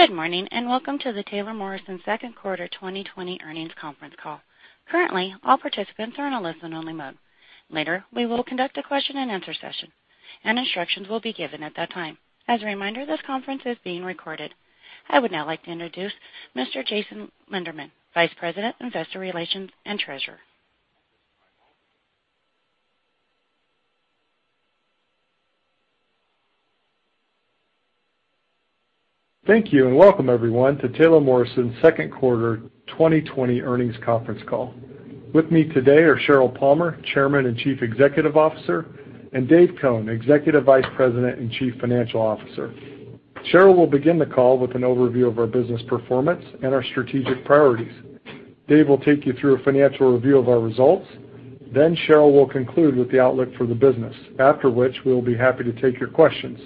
Good morning and welcome to the Taylor Morrison Second Quarter 2020 Earnings Conference Call. Currently, all participants are in a listen-only mode. Later, we will conduct a question-and-answer session, and instructions will be given at that time. As a reminder, this conference is being recorded. I would now like to introduce Mr. Jason Lindemann, Vice President, Investor Relations and Treasurer. Thank you and welcome, everyone, to Taylor Morrison Second Quarter 2020 Earnings Conference Call. With me today are Sheryl Palmer, Chairman and Chief Executive Officer, and Dave Cone, Executive Vice President and Chief Financial Officer. Sheryl will begin the call with an overview of our business performance and our strategic priorities. Dave will take you through a financial review of our results. Then, Sheryl will conclude with the outlook for the business, after which we'll be happy to take your questions.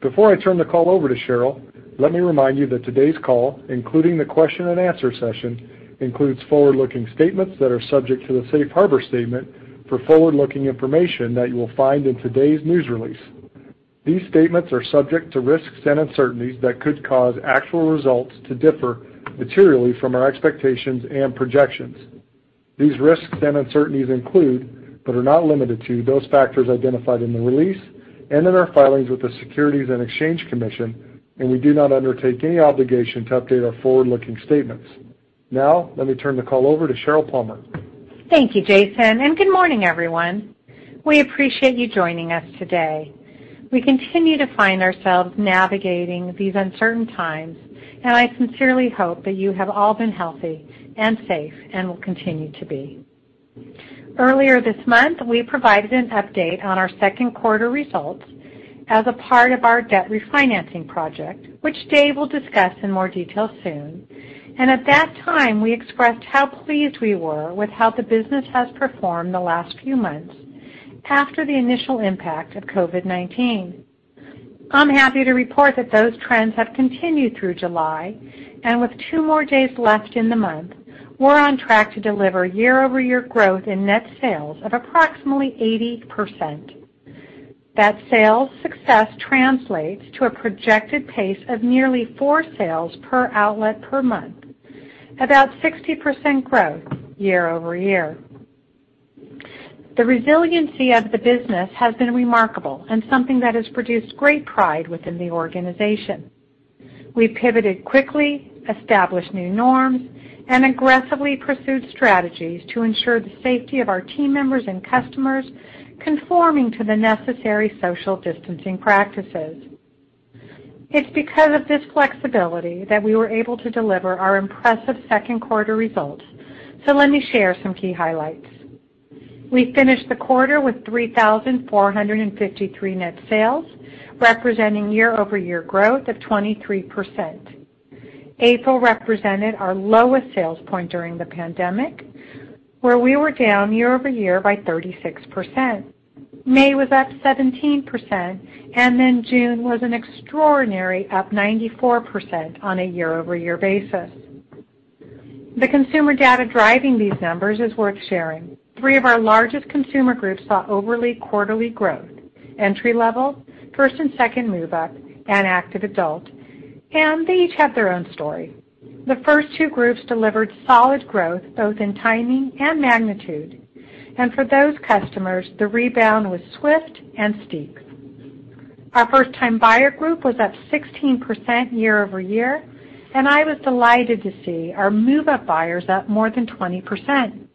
Before I turn the call over to Sheryl, let me remind you that today's call, including the question-and-answer session, includes forward-looking statements that are subject to the Safe Harbor Statement for forward-looking information that you will find in today's news release. These statements are subject to risks and uncertainties that could cause actual results to differ materially from our expectations and projections. These risks and uncertainties include, but are not limited to, those factors identified in the release and in our filings with the Securities and Exchange Commission, and we do not undertake any obligation to update our forward-looking statements. Now, let me turn the call over to Sheryl Palmer. Thank you, Jason, and good morning, everyone. We appreciate you joining us today. We continue to find ourselves navigating these uncertain times, and I sincerely hope that you have all been healthy and safe and will continue to be. Earlier this month, we provided an update on our second quarter results as a part of our debt refinancing project, which Dave will discuss in more detail soon, and at that time, we expressed how pleased we were with how the business has performed the last few months after the initial impact of COVID-19. I'm happy to report that those trends have continued through July, and with two more days left in the month, we're on track to deliver year-over-year growth in net sales of approximately 80%. That sales success translates to a projected pace of nearly four sales per outlet per month, about 60% growth year-over-year. The resiliency of the business has been remarkable and something that has produced great pride within the organization. We've pivoted quickly, established new norms, and aggressively pursued strategies to ensure the safety of our team members and customers, conforming to the necessary social distancing practices. It's because of this flexibility that we were able to deliver our impressive second quarter results. So let me share some key highlights. We finished the quarter with 3,453 net sales, representing year-over-year growth of 23%. April represented our lowest sales point during the pandemic, where we were down year-over-year by 36%. May was up 17%, and then June was an extraordinary up 94% on a year-over-year basis. The consumer data driving these numbers is worth sharing. Three of our largest consumer groups saw overall quarterly growth: entry-level, first and second move-up, and active adult. And they each have their own story. The first two groups delivered solid growth both in timing and magnitude, and for those customers, the rebound was swift and steep. Our first-time buyer group was up 16% year-over-year, and I was delighted to see our move-up buyers up more than 20%.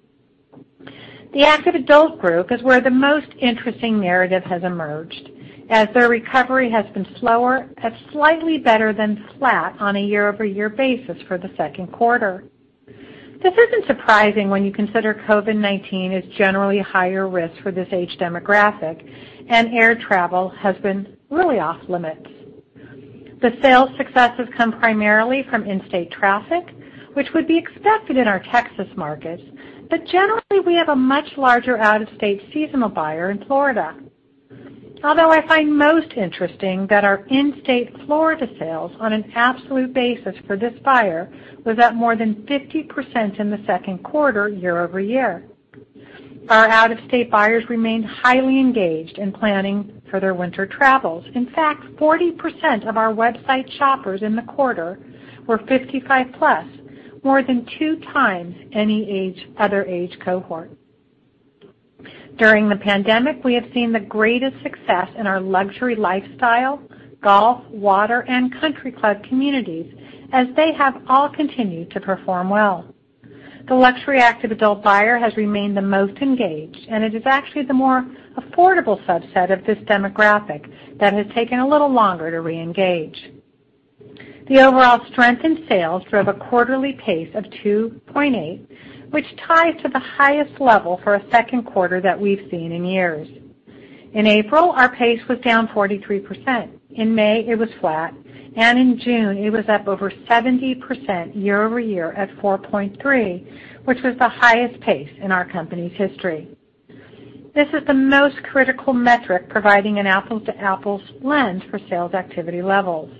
The active adult group is where the most interesting narrative has emerged, as their recovery has been slower and slightly better than flat on a year-over-year basis for the second quarter. This isn't surprising when you consider COVID-19 is generally higher risk for this age demographic, and air travel has been really off-limits. The sales success has come primarily from in-state traffic, which would be expected in our Texas markets, but generally, we have a much larger out-of-state seasonal buyer in Florida. Although I find most interesting that our in-state Florida sales on an absolute basis for this buyer was up more than 50% in the second quarter year-over-year. Our out-of-state buyers remained highly engaged in planning for their winter travels. In fact, 40% of our website shoppers in the quarter were 55+, more than two times any other age cohort. During the pandemic, we have seen the greatest success in our luxury lifestyle, golf, water, and country club communities, as they have all continued to perform well. The luxury active adult buyer has remained the most engaged, and it is actually the more affordable subset of this demographic that has taken a little longer to re-engage. The overall strength in sales drove a quarterly pace of 2.8, which ties to the highest level for a second quarter that we've seen in years. In April, our pace was down 43%. In May, it was flat, and in June, it was up over 70% year-over-year at 4.3, which was the highest pace in our company's history. This is the most critical metric, providing an apples-to-apples lens for sales activity levels.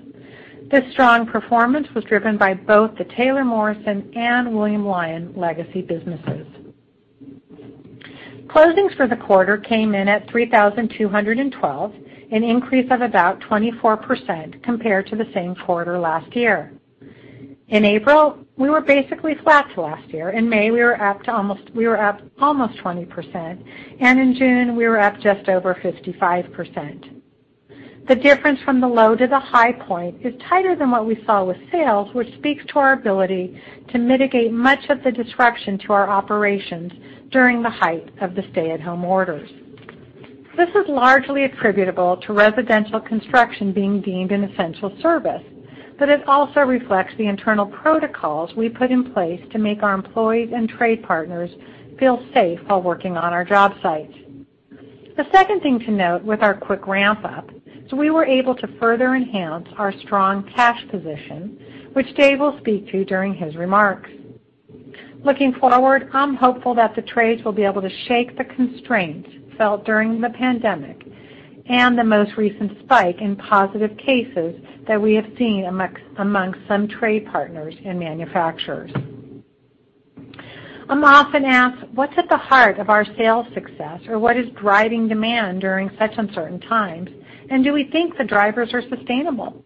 This strong performance was driven by both the Taylor Morrison and William Lyon legacy businesses. Closings for the quarter came in at 3,212, an increase of about 24% compared to the same quarter last year. In April, we were basically flat to last year. In May, we were up almost 20%, and in June, we were up just over 55%. The difference from the low to the high point is tighter than what we saw with sales, which speaks to our ability to mitigate much of the disruption to our operations during the height of the stay-at-home orders. This is largely attributable to residential construction being deemed an essential service, but it also reflects the internal protocols we put in place to make our employees and trade partners feel safe while working on our job sites. The second thing to note with our quick ramp-up is we were able to further enhance our strong cash position, which Dave will speak to during his remarks. Looking forward, I'm hopeful that the trades will be able to shake the constraints felt during the pandemic and the most recent spike in positive cases that we have seen amongst some trade partners and manufacturers. I'm often asked, what's at the heart of our sales success, or what is driving demand during such uncertain times, and do we think the drivers are sustainable?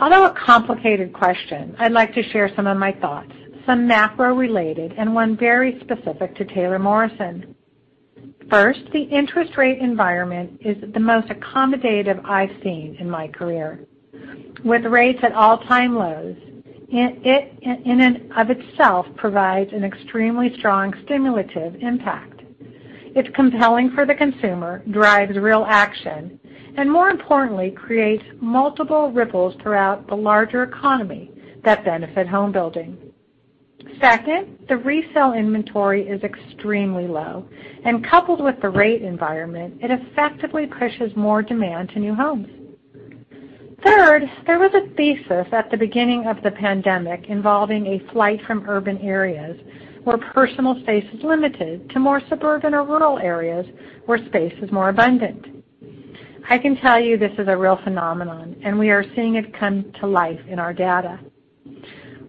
Although a complicated question, I'd like to share some of my thoughts, some macro-related and one very specific to Taylor Morrison. First, the interest rate environment is the most accommodative I've seen in my career. With rates at all-time lows, it in and of itself provides an extremely strong stimulative impact. It's compelling for the consumer, drives real action, and more importantly, creates multiple ripples throughout the larger economy that benefit home building. Second, the resale inventory is extremely low, and coupled with the rate environment, it effectively pushes more demand to new homes. Third, there was a thesis at the beginning of the pandemic involving a flight from urban areas where personal space is limited to more suburban or rural areas where space is more abundant. I can tell you this is a real phenomenon, and we are seeing it come to life in our data.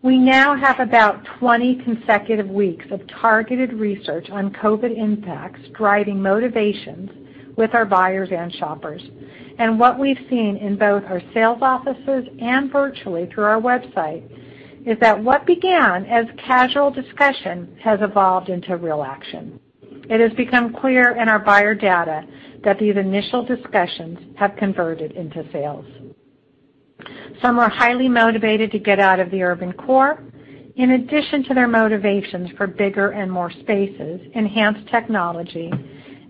We now have about 20 consecutive weeks of targeted research on COVID impacts driving motivations with our buyers and shoppers, and what we've seen in both our sales offices and virtually through our website is that what began as casual discussion has evolved into real action. It has become clear in our buyer data that these initial discussions have converted into sales. Some are highly motivated to get out of the urban core, in addition to their motivations for bigger and more spaces, enhanced technology,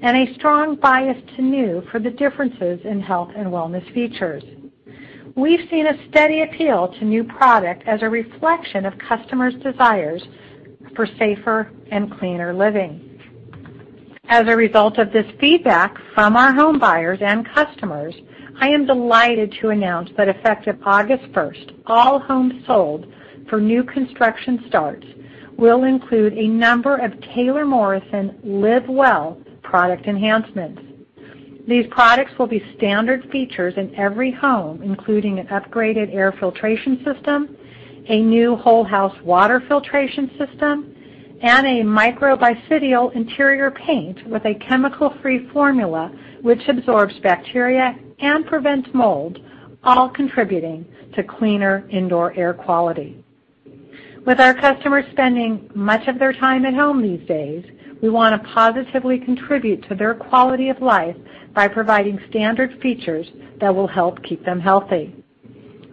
and a strong bias to new for the differences in health and wellness features. We've seen a steady appeal to new product as a reflection of customers' desires for safer and cleaner living. As a result of this feedback from our home buyers and customers, I am delighted to announce that effective August 1st, all homes sold for new construction starts will include a number of Taylor Morrison LiveWell product enhancements. These products will be standard features in every home, including an upgraded air filtration system, a new whole-house water filtration system, and a microbicidal interior paint with a chemical-free formula which absorbs bacteria and prevents mold, all contributing to cleaner indoor air quality. With our customers spending much of their time at home these days, we want to positively contribute to their quality of life by providing standard features that will help keep them healthy.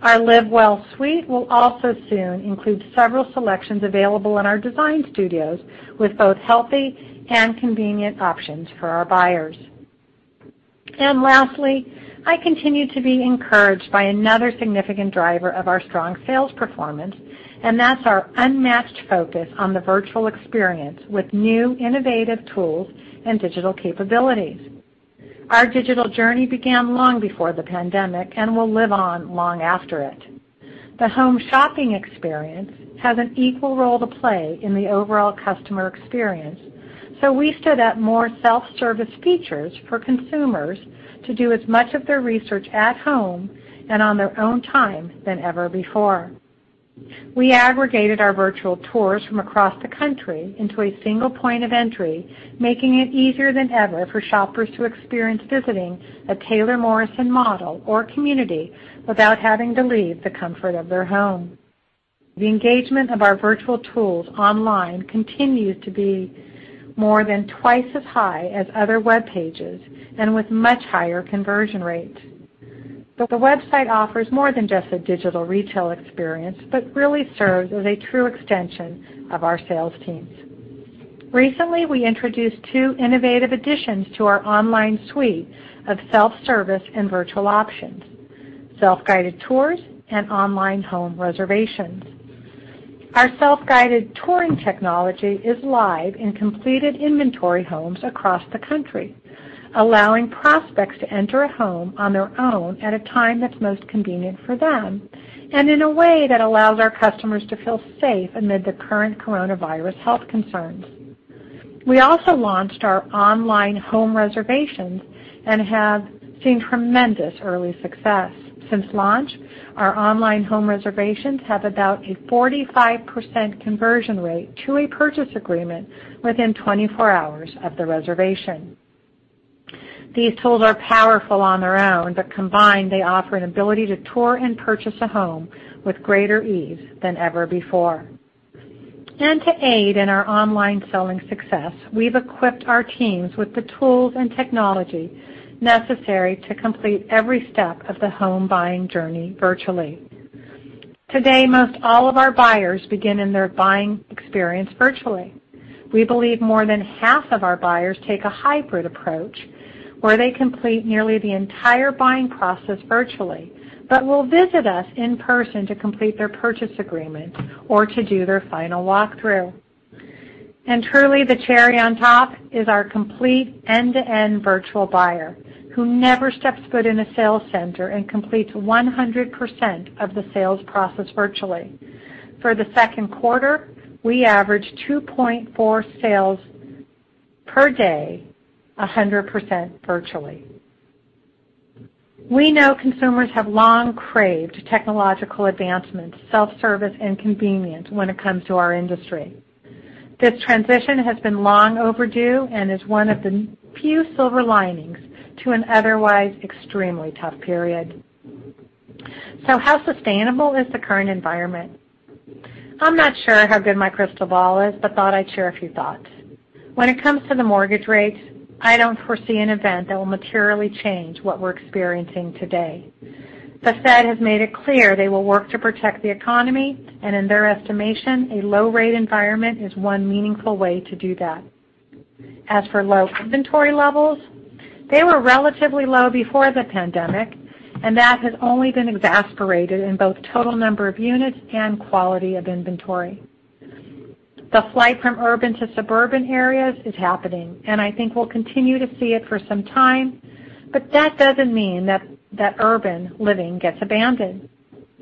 Our LiveWell suite will also soon include several selections available in our design studios with both healthy and convenient options for our buyers. Lastly, I continue to be encouraged by another significant driver of our strong sales performance, and that's our unmatched focus on the virtual experience with new innovative tools and digital capabilities. Our digital journey began long before the pandemic and will live on long after it. The home shopping experience has an equal role to play in the overall customer experience, so we stood up more self-service features for consumers to do as much of their research at home and on their own time than ever before. We aggregated our virtual tours from across the country into a single point of entry, making it easier than ever for shoppers to experience visiting a Taylor Morrison model or community without having to leave the comfort of their home. The engagement of our virtual tools online continues to be more than twice as high as other web pages and with much higher conversion rates. The website offers more than just a digital retail experience, but really serves as a true extension of our sales teams. Recently, we introduced two innovative additions to our online suite of self-service and virtual options: self-guided tours and online home reservations. Our self-guided touring technology is live in completed inventory homes across the country, allowing prospects to enter a home on their own at a time that's most convenient for them and in a way that allows our customers to feel safe amid the current coronavirus health concerns. We also launched our online home reservations and have seen tremendous early success. Since launch, our online home reservations have about a 45% conversion rate to a purchase agreement within 24 hours of the reservation. These tools are powerful on their own, but combined, they offer an ability to tour and purchase a home with greater ease than ever before. And to aid in our online selling success, we've equipped our teams with the tools and technology necessary to complete every step of the home buying journey virtually. Today, most all of our buyers begin in their buying experience virtually. We believe more than half of our buyers take a hybrid approach where they complete nearly the entire buying process virtually, but will visit us in person to complete their purchase agreement or to do their final walk-through. And truly, the cherry on top is our complete end-to-end virtual buyer who never steps foot in a sales center and completes 100% of the sales process virtually. For the second quarter, we averaged 2.4 sales per day 100% virtually. We know consumers have long craved technological advancements, self-service, and convenience when it comes to our industry. This transition has been long overdue and is one of the few silver linings to an otherwise extremely tough period. So how sustainable is the current environment? I'm not sure how good my crystal ball is, but thought I'd share a few thoughts. When it comes to the mortgage rate, I don't foresee an event that will materially change what we're experiencing today. The Fed has made it clear they will work to protect the economy, and in their estimation, a low-rate environment is one meaningful way to do that. As for low inventory levels, they were relatively low before the pandemic, and that has only been exacerbated in both total number of units and quality of inventory. The flight from urban to suburban areas is happening, and I think we'll continue to see it for some time, but that doesn't mean that urban living gets abandoned.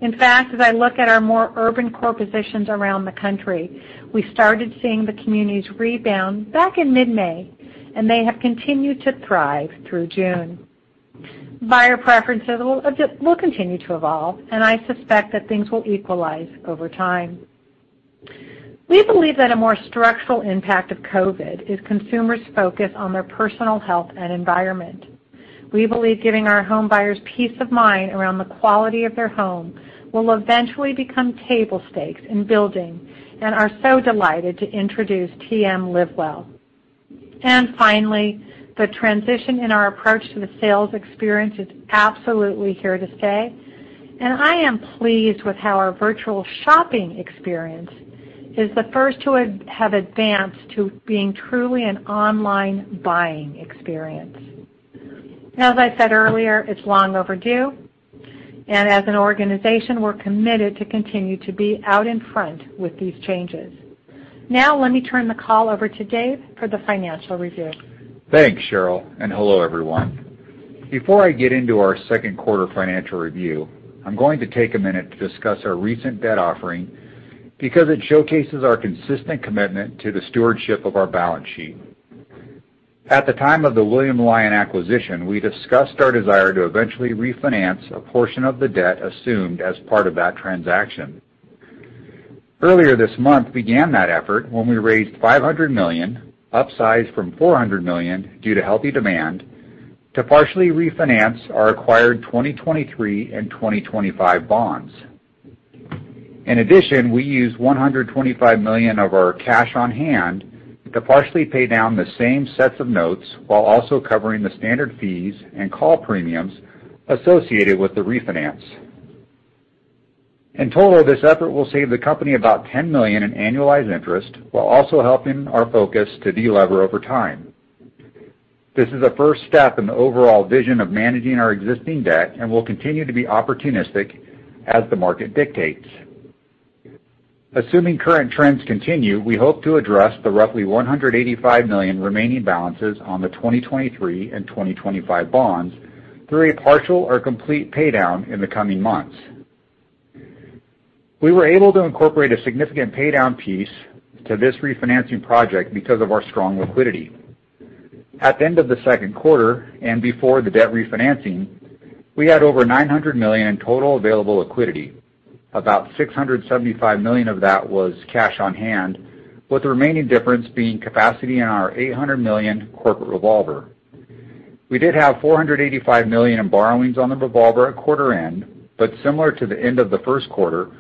In fact, as I look at our more urban core positions around the country, we started seeing the communities' rebound back in mid-May, and they have continued to thrive through June. Buyer preferences will continue to evolve, and I suspect that things will equalize over time. We believe that a more structural impact of COVID is consumers' focus on their personal health and environment. We believe giving our home buyers peace of mind around the quality of their home will eventually become table stakes in building, and are so delighted to introduce TM LiveWell. And finally, the transition in our approach to the sales experience is absolutely here to stay, and I am pleased with how our virtual shopping experience is the first to have advanced to being truly an online buying experience. As I said earlier, it's long overdue, and as an organization, we're committed to continue to be out in front with these changes. Now, let me turn the call over to Dave for the financial review. Thanks, Sheryl, and hello everyone. Before I get into our second quarter financial review, I'm going to take a minute to discuss our recent debt offering because it showcases our consistent commitment to the stewardship of our balance sheet. At the time of the William Lyon acquisition, we discussed our desire to eventually refinance a portion of the debt assumed as part of that transaction. Earlier this month began that effort when we raised $500 million, upsized from $400 million due to healthy demand, to partially refinance our acquired 2023 and 2025 bonds. In addition, we used $125 million of our cash on hand to partially pay down the same sets of notes while also covering the standard fees and call premiums associated with the refinance. In total, this effort will save the company about $10 million in annualized interest while also helping our focus to delever over time. This is a first step in the overall vision of managing our existing debt and will continue to be opportunistic as the market dictates. Assuming current trends continue, we hope to address the roughly $185 million remaining balances on the 2023 and 2025 bonds through a partial or complete paydown in the coming months. We were able to incorporate a significant paydown piece to this refinancing project because of our strong liquidity. At the end of the second quarter and before the debt refinancing, we had over $900 million in total available liquidity. About $675 million of that was cash on hand, with the remaining difference being capacity in our $800 million corporate revolver. We did have $485 million in borrowings on the revolver at quarter end, but similar to the end of the first quarter,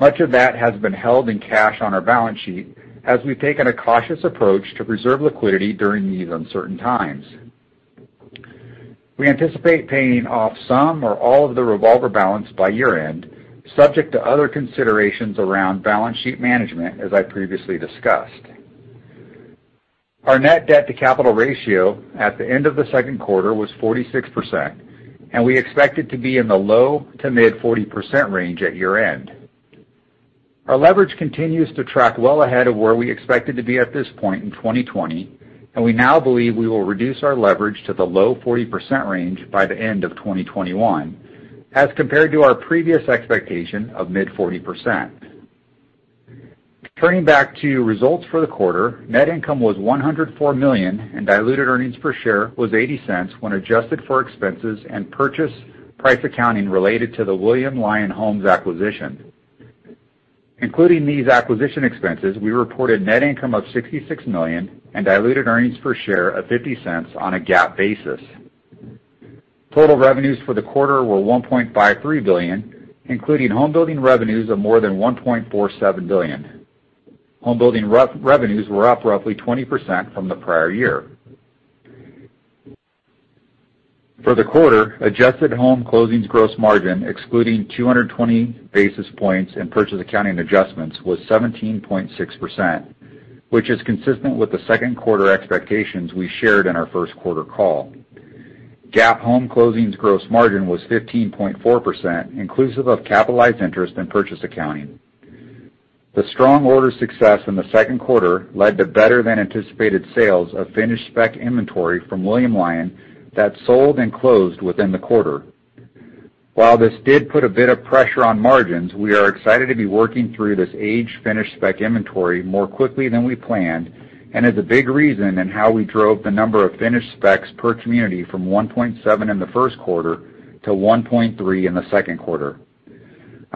much of that has been held in cash on our balance sheet as we've taken a cautious approach to preserve liquidity during these uncertain times. We anticipate paying off some or all of the revolver balance by year-end, subject to other considerations around balance sheet management, as I previously discussed. Our net debt-to-capital ratio at the end of the second quarter was 46%, and we expect it to be in the low- to mid-40% range at year-end. Our leverage continues to track well ahead of where we expected to be at this point in 2020, and we now believe we will reduce our leverage to the low-40% range by the end of 2021 as compared to our previous expectation of mid-40%. Turning back to results for the quarter, net income was $104 million, and diluted earnings per share was $0.80 when adjusted for expenses and purchase price accounting related to the William Lyon Homes acquisition. Including these acquisition expenses, we reported net income of $66 million and diluted earnings per share of $0.50 on a GAAP basis. Total revenues for the quarter were $1.53 billion, including home building revenues of more than $1.47 billion. Home building revenues were up roughly 20% from the prior year. For the quarter, adjusted home closings gross margin, excluding 220 basis points and purchase accounting adjustments, was 17.6%, which is consistent with the second quarter expectations we shared in our first quarter call. GAAP home closings gross margin was 15.4%, inclusive of capitalized interest and purchase accounting. The strong order success in the second quarter led to better than anticipated sales of finished spec inventory from William Lyon that sold and closed within the quarter. While this did put a bit of pressure on margins, we are excited to be working through this aged finished spec inventory more quickly than we planned, and is a big reason in how we drove the number of finished specs per community from 1.7 in the first quarter to 1.3 in the second quarter.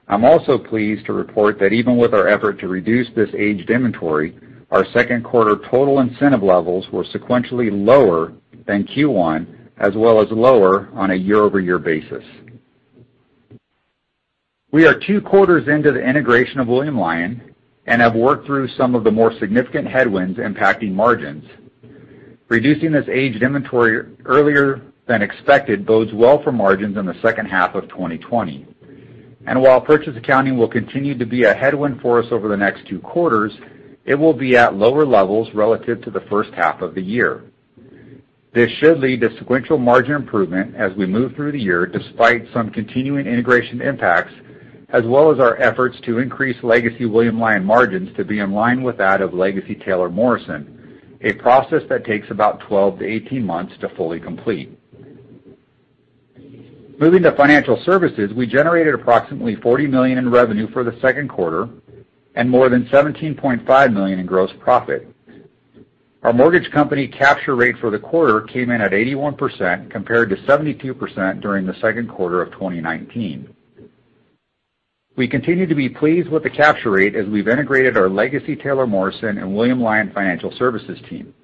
I'm also pleased to report that even with our effort to reduce this aged inventory, our second quarter total incentive levels were sequentially lower than Q1, as well as lower on a year-over-year basis. We are two quarters into the integration of William Lyon and have worked through some of the more significant headwinds impacting margins. Reducing this aged inventory earlier than expected bodes well for margins in the second half of 2020, and while purchase accounting will continue to be a headwind for us over the next two quarters, it will be at lower levels relative to the first half of the year. This should lead to sequential margin improvement as we move through the year despite some continuing integration impacts, as well as our efforts to increase legacy William Lyon margins to be in line with that of legacy Taylor Morrison, a process that takes about 12–18 months to fully complete. Moving to financial services, we generated approximately $40 million in revenue for the second quarter and more than $17.5 million in gross profit. Our mortgage company capture rate for the quarter came in at 81% compared to 72% during the second quarter of 2019. We continue to be pleased with the capture rate as we've integrated our legacy Taylor Morrison and William Lyon financial services team.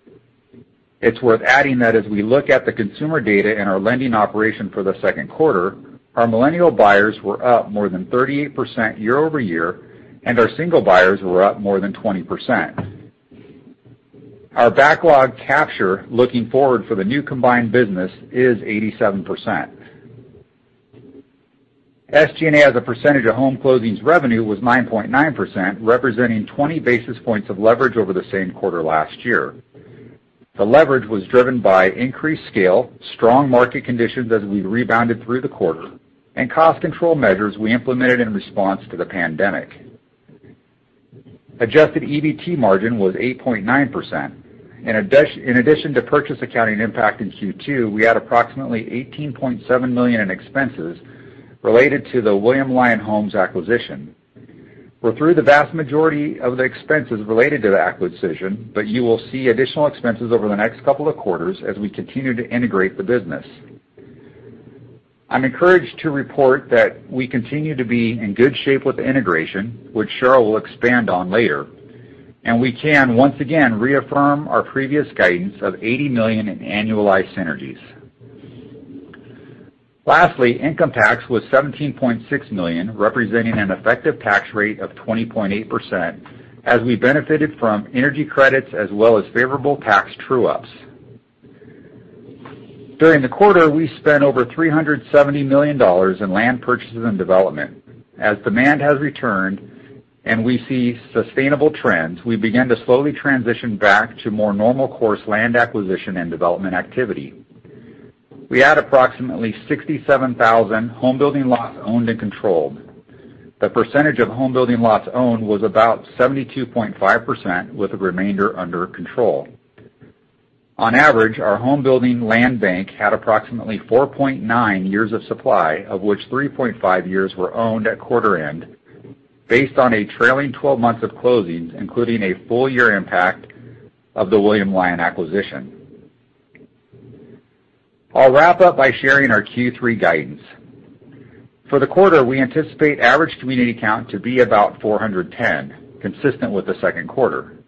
It's worth adding that as we look at the consumer data in our lending operation for the second quarter, our millennial buyers were up more than 38% year-over-year, and our single buyers were up more than 20%. Our backlog capture looking forward for the new combined business is 87%. SG&A as a percentage of home closings revenue was 9.9%, representing 20 basis points of leverage over the same quarter last year. The leverage was driven by increased scale, strong market conditions as we rebounded through the quarter, and cost control measures we implemented in response to the pandemic. Adjusted EBT margin was 8.9%. In addition to purchase accounting impact in Q2, we had approximately $18.7 million in expenses related to the William Lyon Homes acquisition. We're through the vast majority of the expenses related to the acquisition, but you will see additional expenses over the next couple of quarters as we continue to integrate the business. I'm encouraged to report that we continue to be in good shape with the integration, which Sheryl will expand on later, and we can once again reaffirm our previous guidance of $80 million in annualized synergies. Lastly, income tax was $17.6 million, representing an effective tax rate of 20.8%, as we benefited from energy credits as well as favorable tax true-ups. During the quarter, we spent over $370 million in land purchases and development. As demand has returned and we see sustainable trends, we began to slowly transition back to more normal course land acquisition and development activity. We had approximately 67,000 home building lots owned and controlled. The percentage of home building lots owned was about 72.5%, with the remainder under control. On average, our home building land bank had approximately 4.9 years of supply, of which 3.5 years were owned at quarter end, based on a trailing 12 months of closings, including a full year impact of the William Lyon acquisition. I'll wrap up by sharing our Q3 guidance. For the quarter, we anticipate average community count to be about 410, consistent with the second quarter.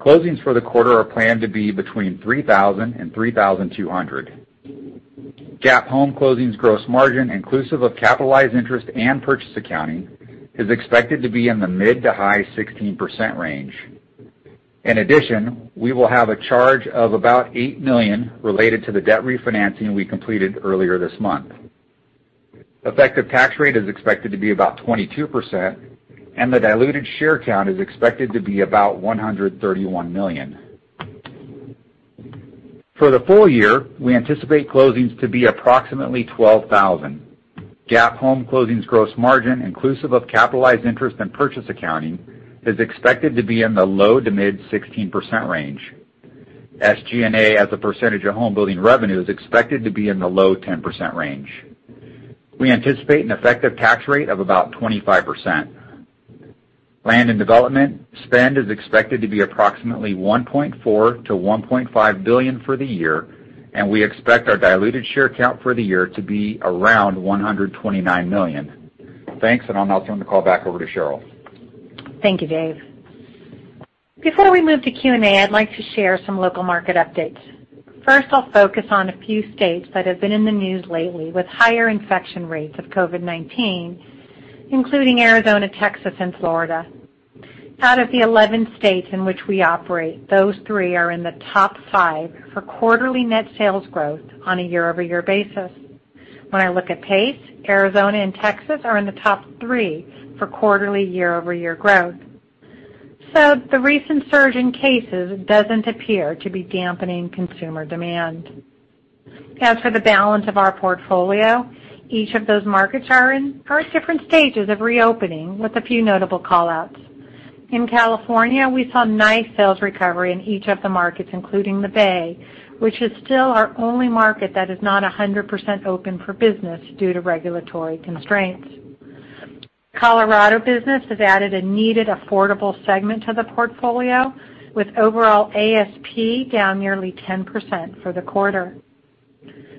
Closings for the quarter are planned to be between 3,000 and 3,200. GAAP home closings gross margin, inclusive of capitalized interest and purchase accounting, is expected to be in the mid to high 16% range. In addition, we will have a charge of about $8 million related to the debt refinancing we completed earlier this month. Effective tax rate is expected to be about 22%, and the diluted share count is expected to be about 131 million. For the full year, we anticipate closings to be approximately 12,000. GAAP home closings gross margin, inclusive of capitalized interest and purchase accounting, is expected to be in the low-to-mid 16% range. SG&A, as a percentage of home building revenue, is expected to be in the low 10% range. We anticipate an effective tax rate of about 25%. Land and development spend is expected to be approximately $1.4–$1.5 billion for the year, and we expect our diluted share count for the year to be around 129 million. Thanks, and I'll now turn the call back over to Sheryl. Thank you, Dave. Before we move to Q&A, I'd like to share some local market updates. First, I'll focus on a few states that have been in the news lately with higher infection rates of COVID-19, including Arizona, Texas, and Florida. Out of the 11 states in which we operate, those three are in the top five for quarterly net sales growth on a year-over-year basis. When I look at pace, Arizona and Texas are in the top three for quarterly year-over-year growth. So the recent surge in cases doesn't appear to be dampening consumer demand. As for the balance of our portfolio, each of those markets are in different stages of reopening with a few notable callouts. In California, we saw nice sales recovery in each of the markets, including the Bay, which is still our only market that is not 100% open for business due to regulatory constraints. Colorado business has added a needed affordable segment to the portfolio, with overall ASP down nearly 10% for the quarter.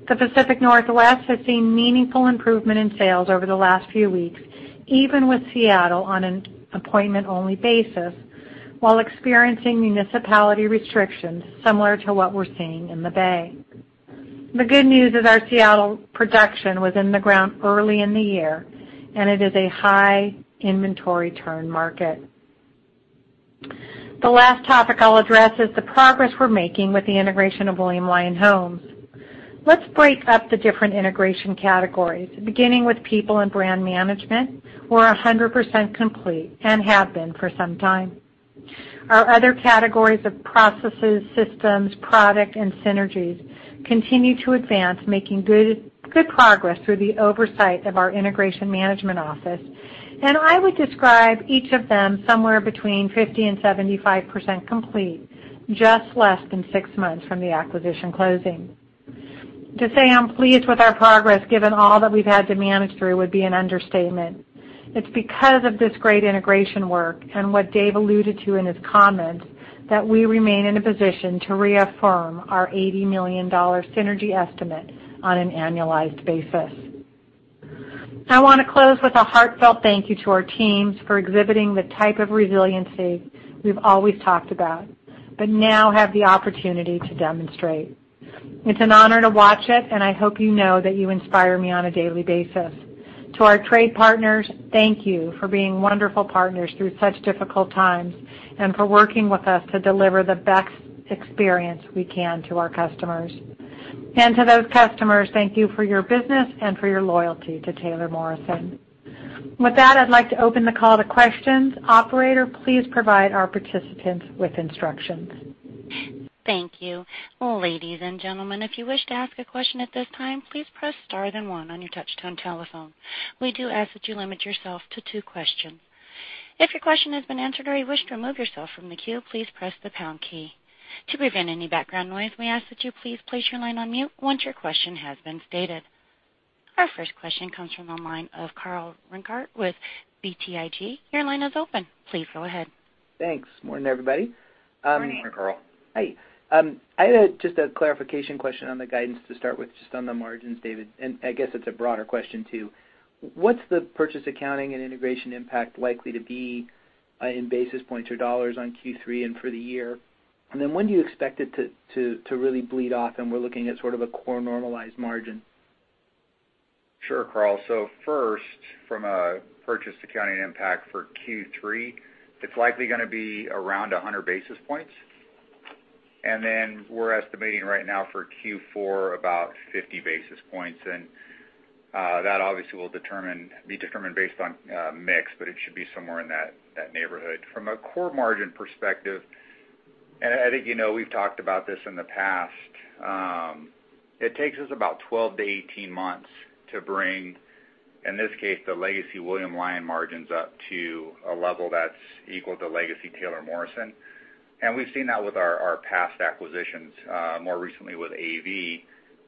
The Pacific Northwest has seen meaningful improvement in sales over the last few weeks, even with Seattle on an appointment-only basis, while experiencing municipal restrictions similar to what we're seeing in the Bay Area. The good news is our Seattle production was in the ground early in the year, and it is a high inventory turn market. The last topic I'll address is the progress we're making with the integration of William Lyon Homes. Let's break up the different integration categories, beginning with people and brand management, where 100% complete and have been for some time. Our other categories of processes, systems, product, and synergies continue to advance, making good progress through the oversight of our integration management office, and I would describe each of them somewhere between 50% and 75% complete, just less than six months from the acquisition closing. To say I'm pleased with our progress, given all that we've had to manage through, would be an understatement. It's because of this great integration work and what Dave alluded to in his comments that we remain in a position to reaffirm our $80 million synergy estimate on an annualized basis. I want to close with a heartfelt thank you to our teams for exhibiting the type of resiliency we've always talked about, but now have the opportunity to demonstrate. It's an honor to watch it, and I hope you know that you inspire me on a daily basis. To our trade partners, thank you for being wonderful partners through such difficult times and for working with us to deliver the best experience we can to our customers, and to those customers, thank you for your business and for your loyalty to Taylor Morrison. With that, I'd like to open the call to questions. Operator, please provide our participants with instructions. Thank you. Ladies and gentlemen, if you wish to ask a question at this time, please press star then one on your touch-tone telephone. We do ask that you limit yourself to two questions. If your question has been answered or you wish to remove yourself from the queue, please press the pound key. To prevent any background noise, we ask that you please place your line on mute once your question has been stated. Our first question comes from the line of Carl Reichardt with BTIG. Your line is open. Please go ahead. Thanks. Morning, everybody. Morning, Sheryl Hey. I had just a clarification question on the guidance to start with, just on the margins, David. And I guess it's a broader question too. What's the purchase accounting and integration impact likely to be in basis points or dollars on Q3 and for the year? And then when do you expect it to really bleed off, and we're looking at sort of a core normalized margin? Sure, Carl. So first, from a purchase accounting impact for Q3, it's likely going to be around 100 basis points. And then we're estimating right now for Q4 about 50 basis points. And that obviously will be determined based on mix, but it should be somewhere in that neighborhood. From a core margin perspective, and I think you know we've talked about this in the past, it takes us about 12-18 months to bring, in this case, the legacy William Lyon margins up to a level that's equal to legacy Taylor Morrison, and we've seen that with our past acquisitions, more recently with AV,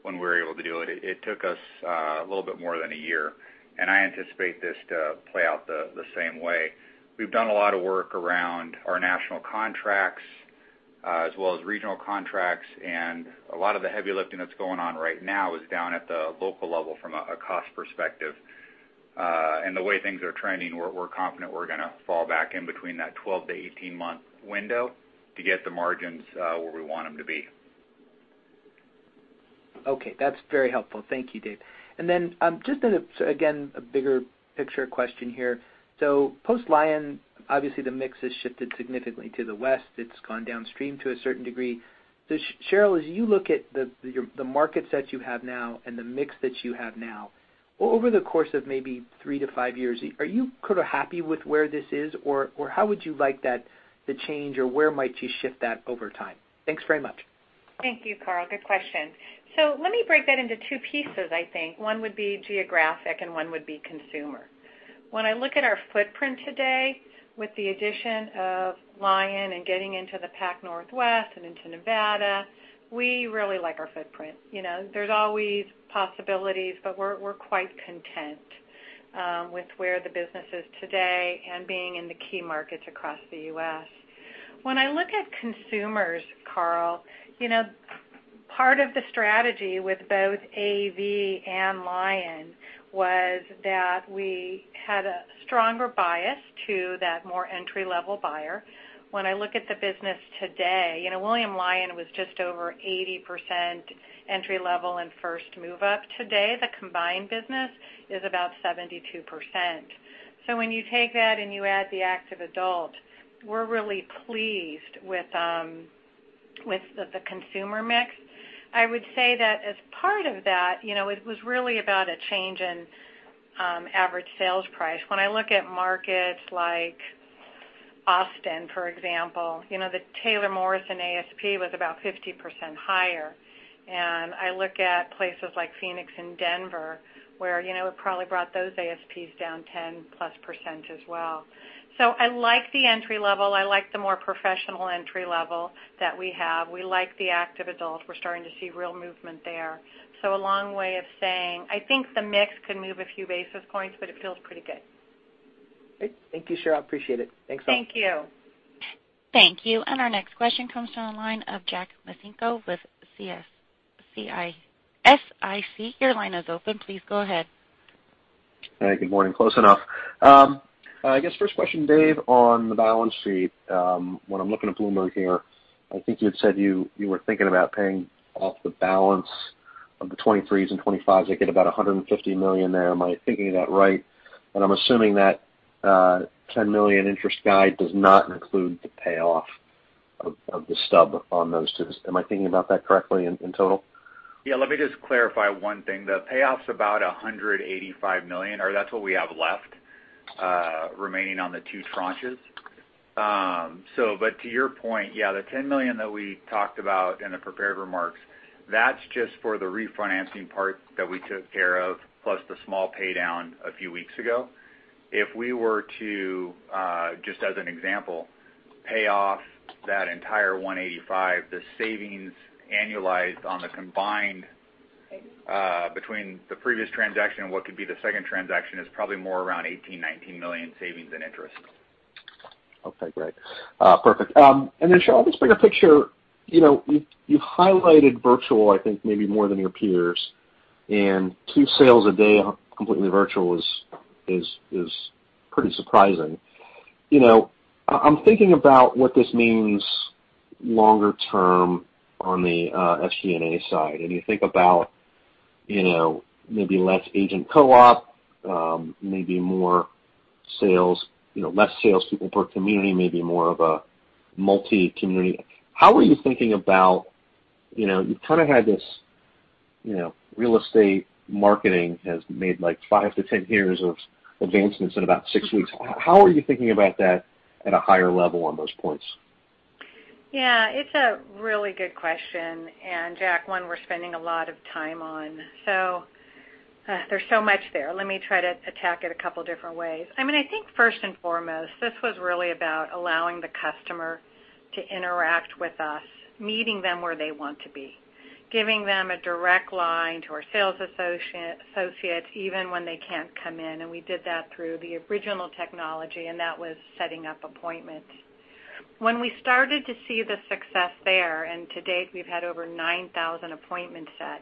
when we were able to do it. It took us a little bit more than a year, and I anticipate this to play out the same way. We've done a lot of work around our national contracts, as well as regional contracts, and a lot of the heavy lifting that's going on right now is down at the local level from a cost perspective. And the way things are trending, we're confident we're going to fall back in between that 12- to 18-month window to get the margins where we want them to be. Okay. That's very helpful. Thank you, Dave. And then just, again, a bigger picture question here. So post-Lyon, obviously, the mix has shifted significantly to the west. It's gone downstream to a certain degree. Sheryl, as you look at the markets that you have now and the mix that you have now, over the course of maybe three- to five-year, are you sort of happy with where this is, or how would you like that to change, or where might you shift that over time? Thanks very much. Thank you, Carl. Good question. So let me break that into two pieces, I think. One would be geographic, and one would be consumer. When I look at our footprint today, with the addition of Lyon and getting into the Pacific Northwest and into Nevada, we really like our footprint. There's always possibilities, but we're quite content with where the business is today and being in the key markets across the U.S. When I look at consumers, Carl, part of the strategy with both AV and Lyon was that we had a stronger bias to that more entry-level buyer. When I look at the business today, William Lyon was just over 80% entry-level and first move-up today. The combined business is about 72%. So when you take that and you add the active adult, we're really pleased with the consumer mix. I would say that as part of that, it was really about a change in average sales price. When I look at markets like Austin, for example, the Taylor Morrison ASP was about 50% higher. And I look at places like Phoenix and Denver, where it probably brought those ASPs down 10+% as well. So I like the entry-level. I like the more professional entry-level that we have. We like the active adult. We're starting to see real movement there. So a long way of saying, I think the mix could move a few basis points, but it feels pretty good. Thank you, Sheryl. I appreciate it. Thanks, all. Thank you. Thank you. And our next question comes from the line of Jack Micenko with Susquehanna Financial Group. Your line is open. Please go ahead. Hey. Good morning. Close enough. I guess first question, Dave, on the balance sheet. When I'm looking at Bloomberg here, I think you had said you were thinking about paying off the balance of the 2023s and 2025s. I get about $150 million there. Am I thinking that right? And I'm assuming that $10 million interest guide does not include the payoff of the stub on those two. Am I thinking about that correctly in total? Yeah. Let me just clarify one thing. The payoff's about $185 million, or that's what we have left remaining on the two tranches. But to your point, yeah, the $10 million that we talked about in the prepared remarks, that's just for the refinancing part that we took care of, plus the small paydown a few weeks ago. If we were to, just as an example, pay off that entire $185 million, the savings annualized on the combined between the previous transaction and what could be the second transaction is probably more around $18-19 million savings in interest. Okay. Great. Perfect. And then, Sheryl, just bigger picture, you've highlighted virtual, I think, maybe more than your peers. And two sales a day completely virtual is pretty surprising. I'm thinking about what this means longer term on the SG&A side. And you think about maybe less agent co-op, maybe less salespeople per community, maybe more of a multi-community. How are you thinking about you've kind of had this real estate marketing has made like 5–10 years of advancements in about six weeks. How are you thinking about that at a higher level on those points? Yeah. It's a really good question, and, Jack, one we're spending a lot of time on. So there's so much there. Let me try to attack it a couple of different ways. I mean, I think first and foremost, this was really about allowing the customer to interact with us, meeting them where they want to be, giving them a direct line to our sales associates even when they can't come in. And we did that through the original technology, and that was setting up appointments. When we started to see the success there, and to date, we've had over 9,000 appointments set,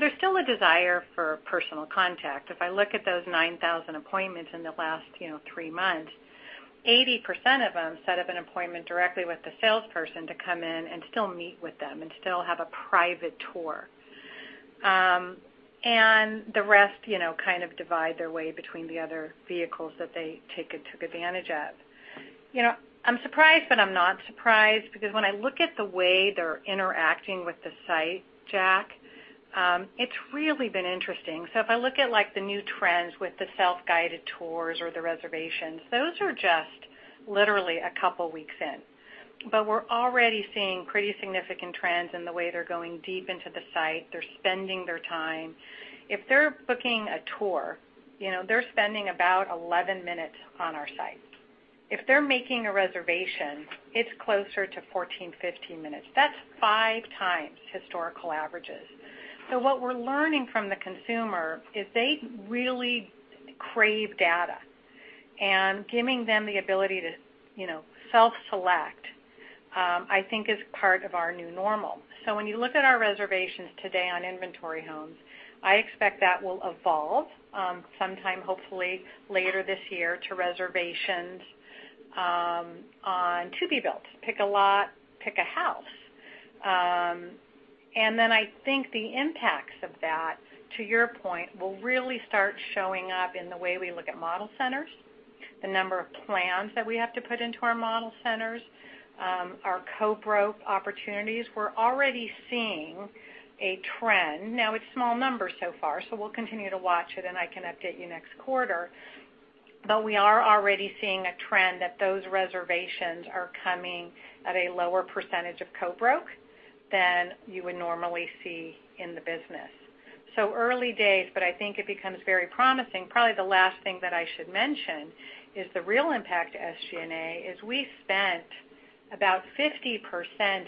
there's still a desire for personal contact. If I look at those 9,000 appointments in the last three months, 80% of them set up an appointment directly with the salesperson to come in and still meet with them and still have a private tour. And the rest kind of divide their way between the other vehicles that they took advantage of. I'm surprised, but I'm not surprised because when I look at the way they're interacting with the site, Jack, it's really been interesting. So if I look at the new trends with the self-guided tours or the reservations, those are just literally a couple of weeks in. But we're already seeing pretty significant trends in the way they're going deep into the site. They're spending their time. If they're booking a tour, they're spending about 11 minutes on our site. If they're making a reservation, it's closer to 14, 15 minutes. That's five times historical averages. So what we're learning from the consumer is they really crave data. And giving them the ability to self-select, I think, is part of our new normal. When you look at our reservations today on inventory homes, I expect that will evolve sometime, hopefully, later this year to reservations on to-be-built, pick a lot, pick a house. Then I think the impacts of that, to your point, will really start showing up in the way we look at model centers, the number of plans that we have to put into our model centers, our co-broke opportunities. We're already seeing a trend. Now, it's small numbers so far, so we'll continue to watch it, and I can update you next quarter. We are already seeing a trend that those reservations are coming at a lower percentage of co-broke than you would normally see in the business. Early days, but I think it becomes very promising. Probably the last thing that I should mention is the real impact of SG&A is we spent about 50%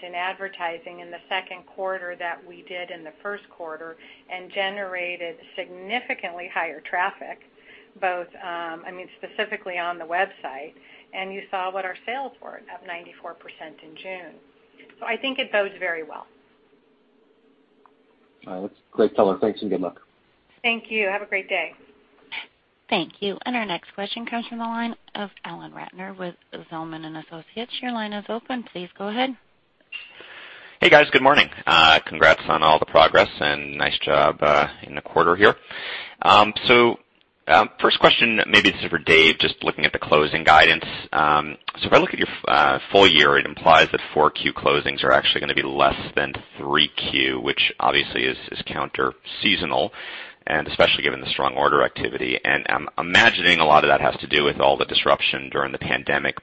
in advertising in the second quarter that we did in the first quarter and generated significantly higher traffic, I mean, specifically on the website. And you saw what our sales were at 94% in June. So I think it bodes very well. All right. That's great, Taylor. Thanks and good luck. Thank you. Have a great day. Thank you. And our next question comes from the line of Alan Ratner with Zelman & Associates. Your line is open. Please go ahead. Hey, guys. Good morning. Congrats on all the progress and nice job in the quarter here. So first question, maybe this is for Dave, just looking at the closing guidance. If I look at your full year, it implies that 4Q closings are actually going to be less than 3Q, which obviously is counter-seasonal, and especially given the strong order activity. I'm imagining a lot of that has to do with all the disruption during the pandemic.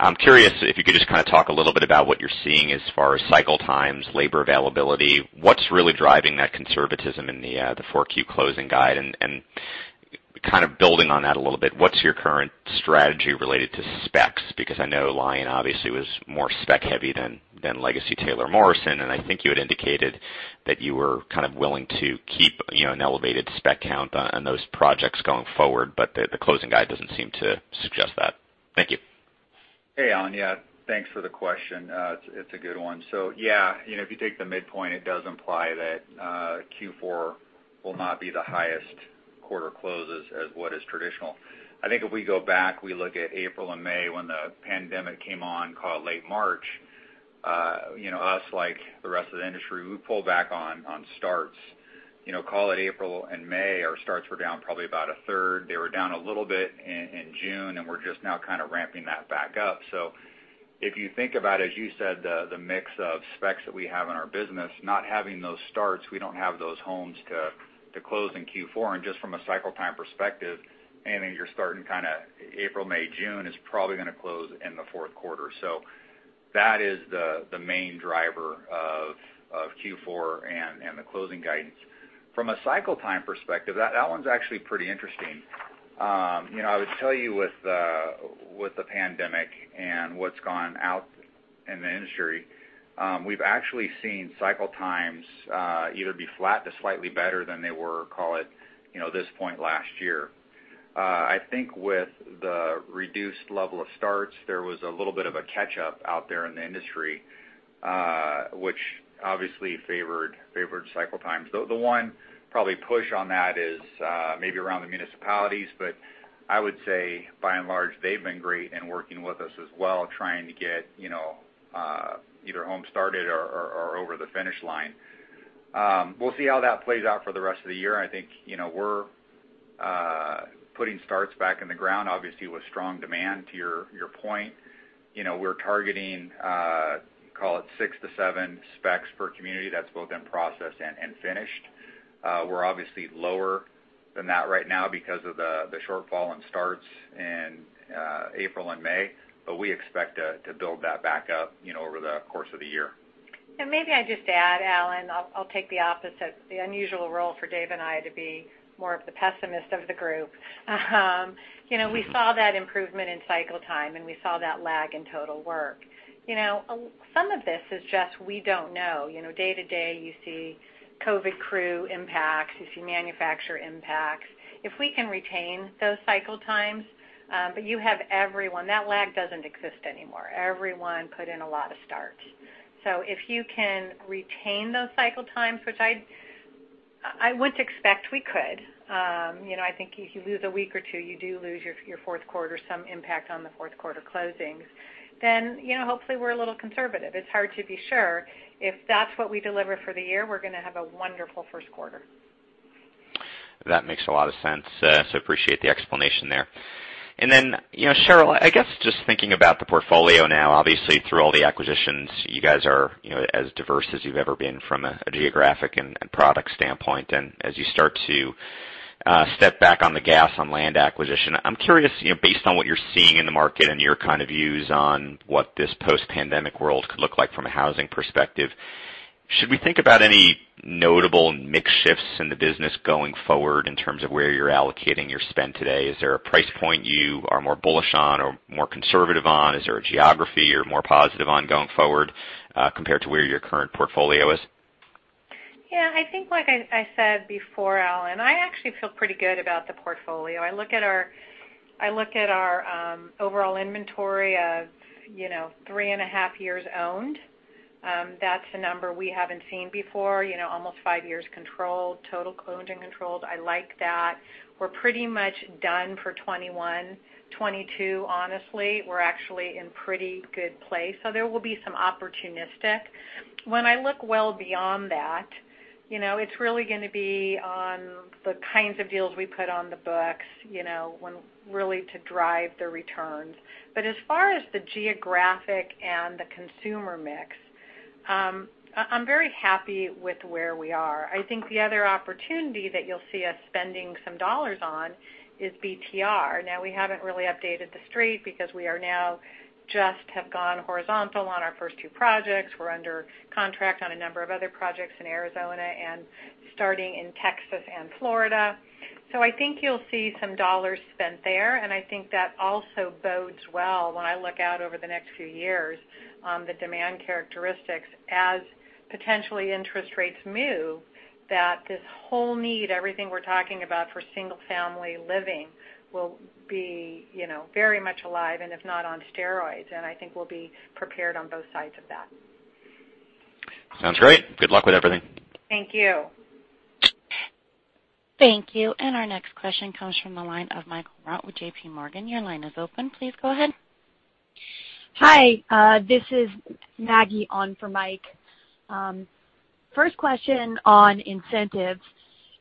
I'm curious if you could just kind of talk a little bit about what you're seeing as far as cycle times, labor availability, what's really driving that conservatism in the 4Q closing guide, and kind of building on that a little bit. What's your current strategy related to specs? Because I know Lyon, obviously, was more spec-heavy than legacy Taylor Morrison. I think you had indicated that you were kind of willing to keep an elevated spec count on those projects going forward, but the closing guide doesn't seem to suggest that. Thank you. Hey, Alan. Yeah. Thanks for the question. It's a good one. So yeah, if you take the midpoint, it does imply that Q4 will not be the highest quarter closes as what is traditional. I think if we go back, we look at April and May when the pandemic came on, call it late March, us, like the rest of the industry, we pulled back on starts. Call it April and May, our starts were down probably about a third. They were down a little bit in June, and we're just now kind of ramping that back up. So if you think about, as you said, the mix of specs that we have in our business, not having those starts, we don't have those homes to close in Q4. And just from a cycle-time perspective, anything you're starting kind of April, May, June is probably going to close in the fourth quarter. So that is the main driver of Q4 and the closing guidance. From a cycle-time perspective, that one's actually pretty interesting. I would tell you with the pandemic and what's gone out in the industry, we've actually seen cycle times either be flat to slightly better than they were, call it this point last year. I think with the reduced level of starts, there was a little bit of a catch-up out there in the industry, which obviously favored cycle times. The one probably push on that is maybe around the municipalities, but I would say, by and large, they've been great in working with us as well, trying to get either homes started or over the finish line. We'll see how that plays out for the rest of the year. I think we're putting starts back in the ground, obviously, with strong demand. To your point, we're targeting, call it six-seven specs per community. That's both in process and finished. We're obviously lower than that right now because of the shortfall in starts in April and May, but we expect to build that back up over the course of the year. Maybe I just add, Alan. I'll take the unusual role for Dave and I to be more of the pessimist of the group. We saw that improvement in cycle time, and we saw that lag in total work. Some of this is just we don't know. Day to day, you see COVID crew impacts. You see manufacturer impacts. If we can retain those cycle times, but you have everyone that lag doesn't exist anymore. Everyone put in a lot of starts. So if you can retain those cycle times, which I wouldn't expect we could. I think if you lose a week or two, you do lose your fourth quarter, some impact on the fourth quarter closings. Then hopefully we're a little conservative. It's hard to be sure. If that's what we deliver for the year, we're going to have a wonderful first quarter. That makes a lot of sense. So appreciate the explanation there. And then, Sheryl, I guess just thinking about the portfolio now, obviously through all the acquisitions, you guys are as diverse as you've ever been from a geographic and product standpoint. And as you start to step back on the gas on land acquisition, I'm curious, based on what you're seeing in the market and your kind of views on what this post-pandemic world could look like from a housing perspective, should we think about any notable mix shifts in the business going forward in terms of where you're allocating your spend today? Is there a price point you are more bullish on or more conservative on? Is there a geography you're more positive on going forward compared to where your current portfolio is? Yeah. I think, like I said before, Alan, I actually feel pretty good about the portfolio. I look at our overall inventory of three and a half years owned. That's a number we haven't seen before. Almost five years controlled, total owned and controlled. I like that. We're pretty much done for 2021. 2022, honestly, we're actually in pretty good place. So there will be some opportunistic. When I look well beyond that, it's really going to be on the kinds of deals we put on the books really to drive the returns. But as far as the geographic and the consumer mix, I'm very happy with where we are. I think the other opportunity that you'll see us spending some dollars on is BTR. Now, we haven't really updated the street because we are now just have gone horizontal on our first two projects. We're under contract on a number of other projects in Arizona and starting in Texas and Florida. So I think you'll see some dollars spent there. And I think that also bodes well when I look out over the next few years on the demand characteristics as potentially interest rates move, that this whole need, everything we're talking about for single-family living will be very much alive and if not on steroids. And I think we'll be prepared on both sides of that. Sounds great. Good luck with everything. Thank you. Thank you. And our next question comes from the line of Michael Rehaut with J.P. Morgan. Your line is open. Please go ahead. Hi. This is Maggie on for Mike. First question on incentives.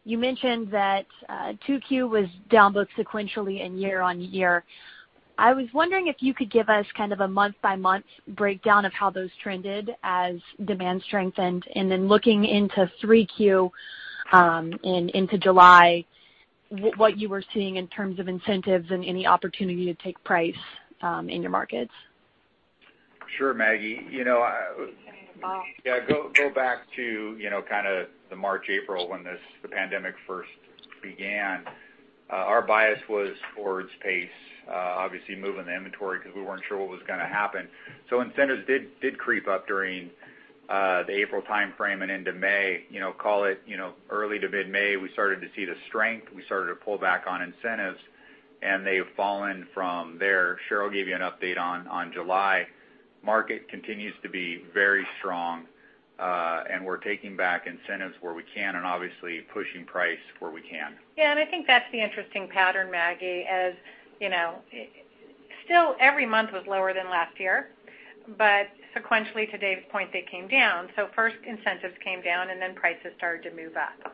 You mentioned that 2Q was down both sequentially and year on year. I was wondering if you could give us kind of a month-by-month breakdown of how those trended as demand strengthened. And then looking into 3Q and into July, what you were seeing in terms of incentives and any opportunity to take price in your markets? Sure, Maggie. Yeah. Go back to kind of the March, April when the pandemic first began. Our bias was forward space, obviously moving the inventory because we weren't sure what was going to happen. So incentives did creep up during the April timeframe and into May. Call it early to mid-May, we started to see the strength. We started to pull back on incentives, and they've fallen from there. Sheryl gave you an update on July. Market continues to be very strong, and we're taking back incentives where we can and obviously pushing price where we can. Yeah. And I think that's the interesting pattern, Maggie, as still every month was lower than last year, but sequentially to Dave's point, they came down. So first, incentives came down, and then prices started to move up.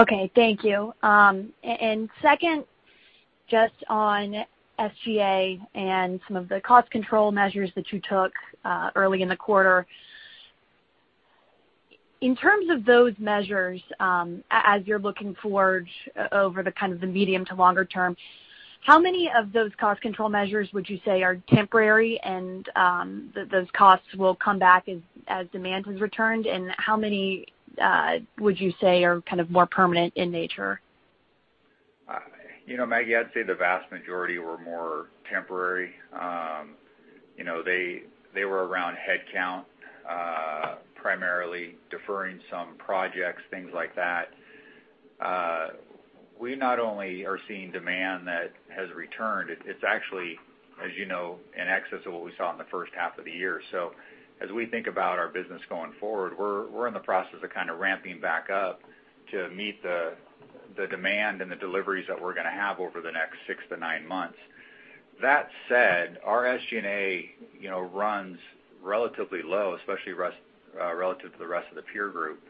Okay. Thank you. And second, just on SG&A and some of the cost control measures that you took early in the quarter, in terms of those measures, as you're looking forward over the kind of the medium to longer term, how many of those cost control measures would you say are temporary and those costs will come back as demand has returned? And how many would you say are kind of more permanent in nature? Maggie, I'd say the vast majority were more temporary. They were around headcount, primarily deferring some projects, things like that. We not only are seeing demand that has returned. It's actually, as you know, in excess of what we saw in the first half of the year. So as we think about our business going forward, we're in the process of kind of ramping back up to meet the demand and the deliveries that we're going to have over the next six to nine months. That said, our SG&A runs relatively low, especially relative to the rest of the peer group.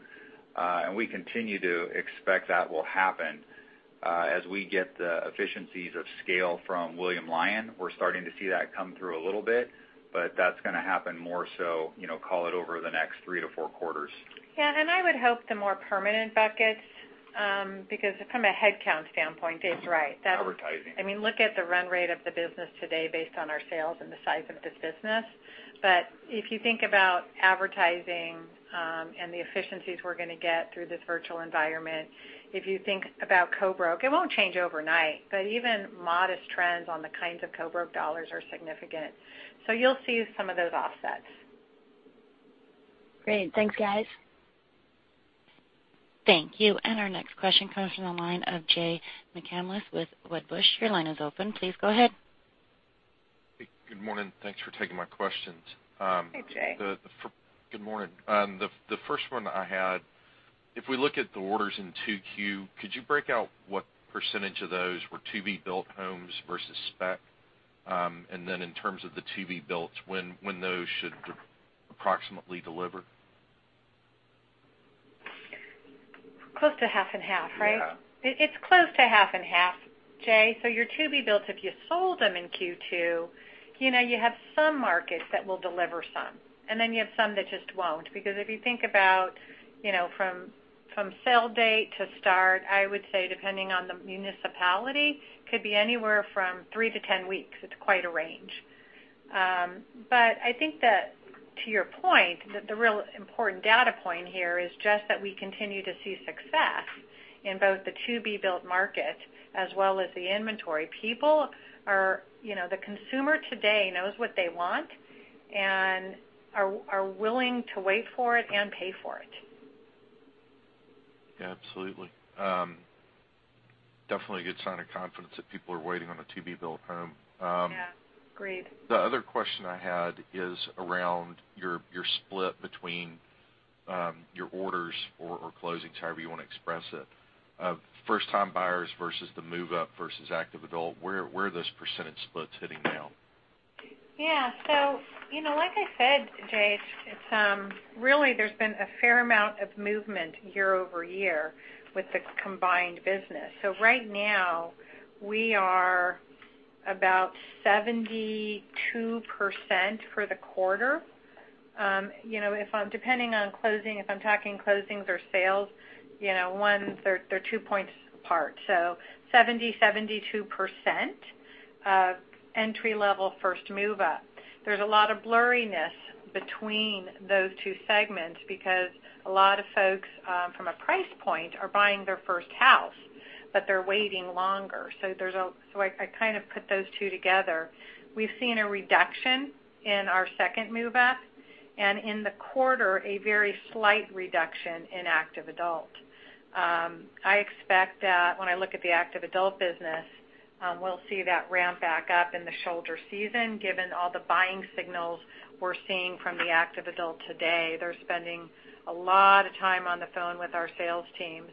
And we continue to expect that will happen as we get the economies of scale from William Lyon. We're starting to see that come through a little bit, but that's going to happen more so, call it over the next three to four quarters. Yeah. And I would hope the more permanent buckets because from a headcount standpoint, Dave's right. Advertising. I mean, look at the run rate of the business today based on our sales and the size of this business. But if you think about advertising and the efficiencies we're going to get through this virtual environment, if you think about co-broke, it won't change overnight, but even modest trends on the kinds of co-broke dollars are significant. So you'll see some of those offsets. Great. Thanks, guys. Thank you. And our next question comes from the line of Jay McCanless with Wedbush. Your line is open. Please go ahead. Hey. Good morning. Thanks for taking my questions. Hey, Jay. Good morning. The first one I had, if we look at the orders in 2Q, could you break out what percentage of those were to-be-built homes versus spec? And then in terms of the to-be-builts, when those should approximately deliver? Close to half and half, right? It's close to half and half, Jay. So your to-be-builts, if you sold them in Q2, you have some markets that will deliver some. And then you have some that just won't. Because if you think about from sale date to start, I would say depending on the municipality, could be anywhere from three to ten weeks. It's quite a range. But I think that to your point, the real important data point here is just that we continue to see success in both the to-be-built market as well as the inventory. People, the consumer today, knows what they want and are willing to wait for it and pay for it. Yeah. Absolutely. Definitely a good sign of confidence that people are waiting on a to-be-built home. Yeah. Agreed. The other question I had is around your split between your orders or closings, however you want to express it, of first-time buyers versus the move-up versus active adult. Where are those percentage splits hitting now? Yeah So like I said, Jay, really there's been a fair amount of movement year over year with the combined business. So right now, we are about 72% for the quarter. If I'm depending on closing, if I'm talking closings or sales, they're two points apart. So 70%-72% entry-level first move-up. There's a lot of blurriness between those two segments because a lot of folks from a price point are buying their first house, but they're waiting longer. So I kind of put those two together. We've seen a reduction in our second move-up and in the quarter, a very slight reduction in active adult. I expect that when I look at the active adult business, we'll see that ramp back up in the shoulder season given all the buying signals we're seeing from the active adult today. They're spending a lot of time on the phone with our sales teams,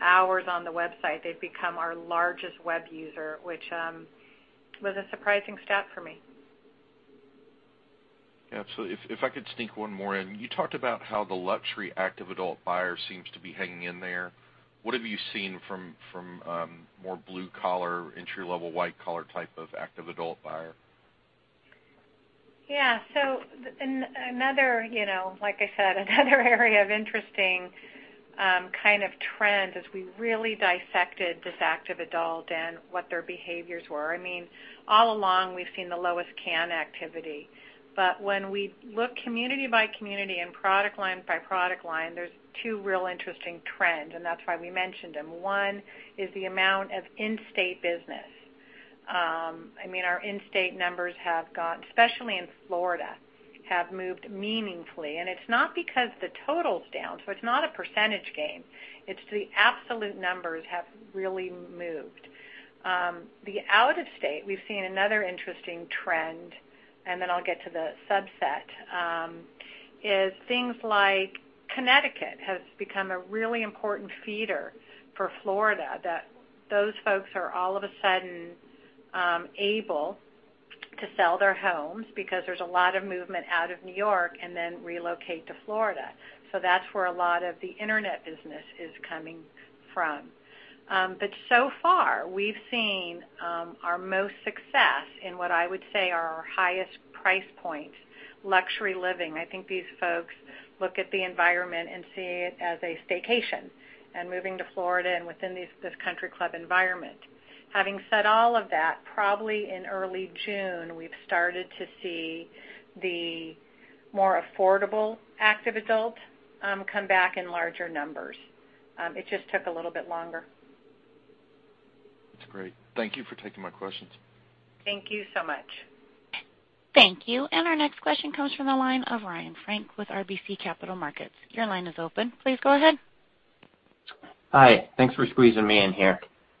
hours on the website. They've become our largest web user, which was a surprising stat for me. Absolutely. If I could sneak one more in, you talked about how the luxury active adult buyer seems to be hanging in there. What have you seen from more blue-collar, entry-level, white-collar type of active adult buyer? Yeah. So another, like I said, another area of interesting kind of trend as we really dissected this active adult and what their behaviors were. I mean, all along, we've seen the lowest demand activity. But when we look community by community and product line by product line, there's two real interesting trends, and that's why we mentioned them. One is the amount of in-state business. I mean, our in-state numbers have gone, especially in Florida, have moved meaningfully. And it's not because the total's down, so it's not a percentage gain. It's the absolute numbers have really moved. The out-of-state, we've seen another interesting trend, and then I'll get to the subset, is things like Connecticut has become a really important feeder for Florida that those folks are all of a sudden able to sell their homes because there's a lot of movement out of New York and then relocate to Florida. So that's where a lot of the internet business is coming from. But so far, we've seen our most success in what I would say are our highest price points, luxury living. I think these folks look at the environment and see it as a staycation and moving to Florida and within this country club environment. Having said all of that, probably in early June, we've started to see the more affordable active adult come back in larger numbers. It just took a little bit longer. That's great. Thank you for taking my questions. Thank you so much. Thank you. And our next question comes from the line of Ryan Frank with RBC Capital Markets. Your line is open. Please go ahead. Hi. Thanks for squeezing me in here.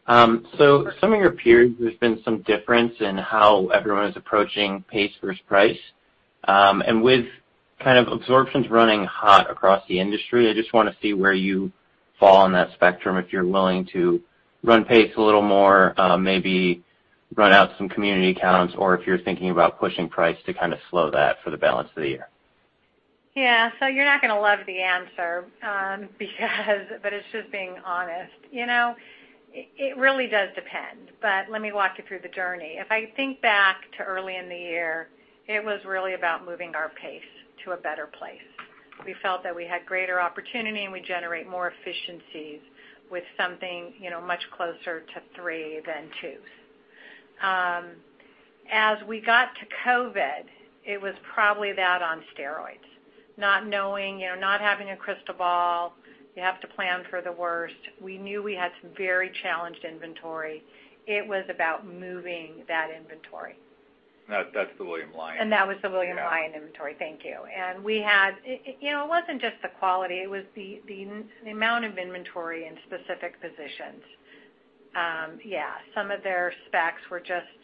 So some of your peers, there's been some difference in how everyone is approaching pace versus price. And with kind of absorptions running hot across the industry, I just want to see where you fall on that spectrum if you're willing to run pace a little more, maybe run out some community count, or if you're thinking about pushing price to kind of slow that for the balance of the year. Yeah. So you're not going to love the answer, but it's just being honest. It really does depend. But let me walk you through the journey. If I think back to early in the year, it was really about moving our pace to a better place. We felt that we had greater opportunity and we generate more efficiencies with something much closer to three than twos. As we got to COVID, it was probably that on steroids. Not knowing, not having a crystal ball, you have to plan for the worst. We knew we had some very challenged inventory. It was about moving that inventory. That's the William Lyon. And that was the William Lyon inventory. Thank you. And we had it wasn't just the quality. It was the amount of inventory in specific positions. Yeah. Some of their specs were just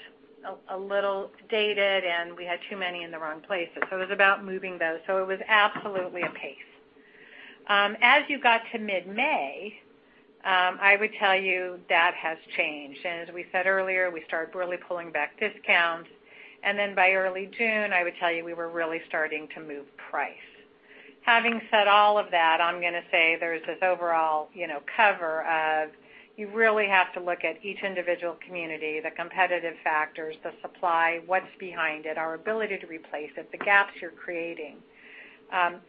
a little dated, and we had too many in the wrong places. So it was about moving those. So it was absolutely a pace. As you got to mid-May, I would tell you that has changed. And as we said earlier, we started really pulling back discounts. And then by early June, I would tell you we were really starting to move price. Having said all of that, I'm going to say there's this overall caveat or two you really have to look at each individual community, the competitive factors, the supply, what's behind it, our ability to replace it, the gaps you're creating.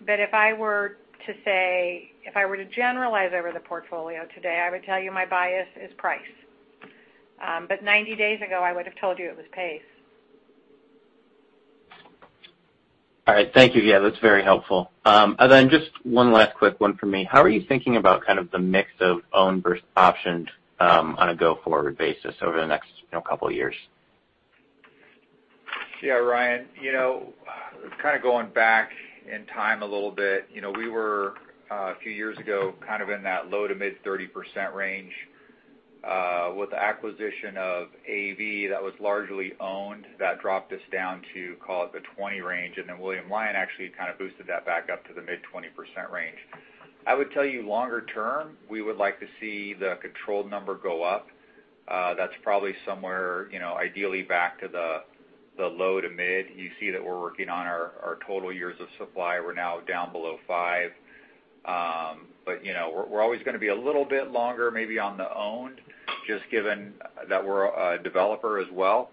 But if I were to say, if I were to generalize over the portfolio today, I would tell you my bias is price. But 90 days ago, I would have told you it was pace. All right. Thank you, yeah. That's very helpful. And then just one last quick one for me. How are you thinking about kind of the mix of owned versus optioned on a go-forward basis over the next couple of years? Yeah, Ryan, kind of going back in time a little bit, we were a few years ago kind of in that low-to-mid 30% range. With the acquisition of AV that was largely owned, that dropped us down to, call it the 20% range. And then William Lyon actually kind of boosted that back up to the mid-20% range. I would tell you longer term, we would like to see the control number go up. That's probably somewhere ideally back to the low to mid. You see that we're working on our total years of supply. We're now down below five. But we're always going to be a little bit longer maybe on the owned just given that we're a developer as well.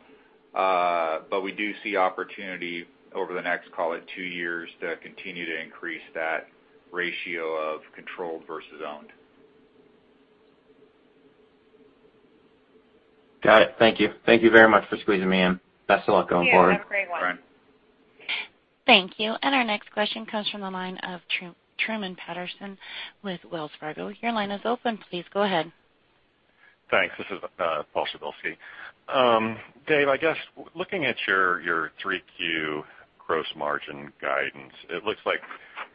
But we do see opportunity over the next, call it two years, to continue to increase that ratio of controlled versus owned. Got it. Thank you. Thank you very much for squeezing me in. Best of luck going forward. Yeah. Have a great one. Thank you. And our next question comes from the line of Truman Patterson with Wells Fargo. Your line is open. Please go ahead. Thanks. This is Paul Pryzbylski. Dave, I guess looking at your 3Q gross margin guidance, it looks like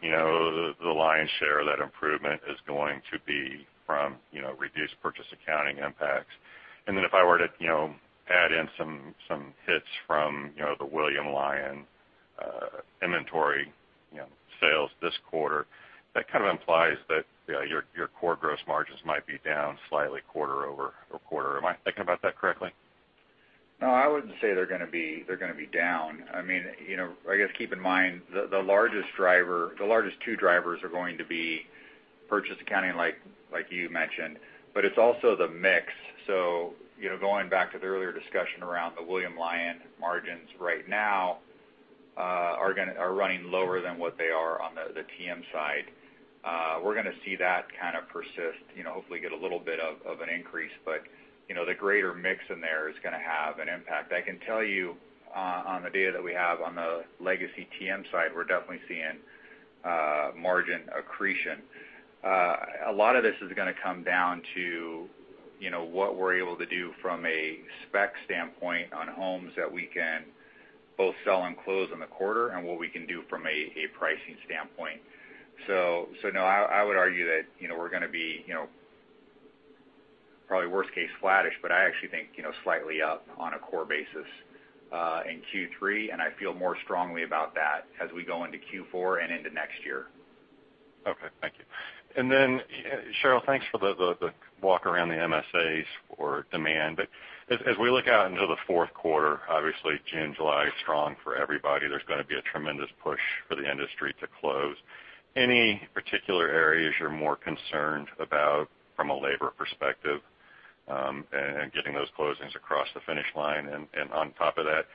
the lion's share of that improvement is going to be from reduced purchase accounting impacts. And then, if I were to add in some hits from the William Lyon inventory sales this quarter, that kind of implies that your core gross margins might be down slightly quarter-over-quarter. Am I thinking about that correctly? No, I wouldn't say they're going to be down. I mean, I guess keep in mind the largest two drivers are going to be purchase accounting like you mentioned, but it's also the mix. So going back to the earlier discussion around the William Lyon margins right now are running lower than what they are on the TM side. We're going to see that kind of persist, hopefully get a little bit of an increase, but the greater mix in there is going to have an impact. I can tell you on the data that we have on the legacy TM side, we're definitely seeing margin accretion. A lot of this is going to come down to what we're able to do from a spec standpoint on homes that we can both sell and close in the quarter and what we can do from a pricing standpoint. So no, I would argue that we're going to be probably worst case flattish, but I actually think slightly up on a core basis in Q3, and I feel more strongly about that as we go into Q4 and into next year. Okay. Thank you. And then Sheryl, thanks for the walk around the MSAs for demand. But as we look out into the fourth quarter, obviously June, July is strong for everybody. There's going to be a tremendous push for the industry to close. Any particular areas you're more concerned about from a labor perspective and getting those closings across the finish line? On top of that,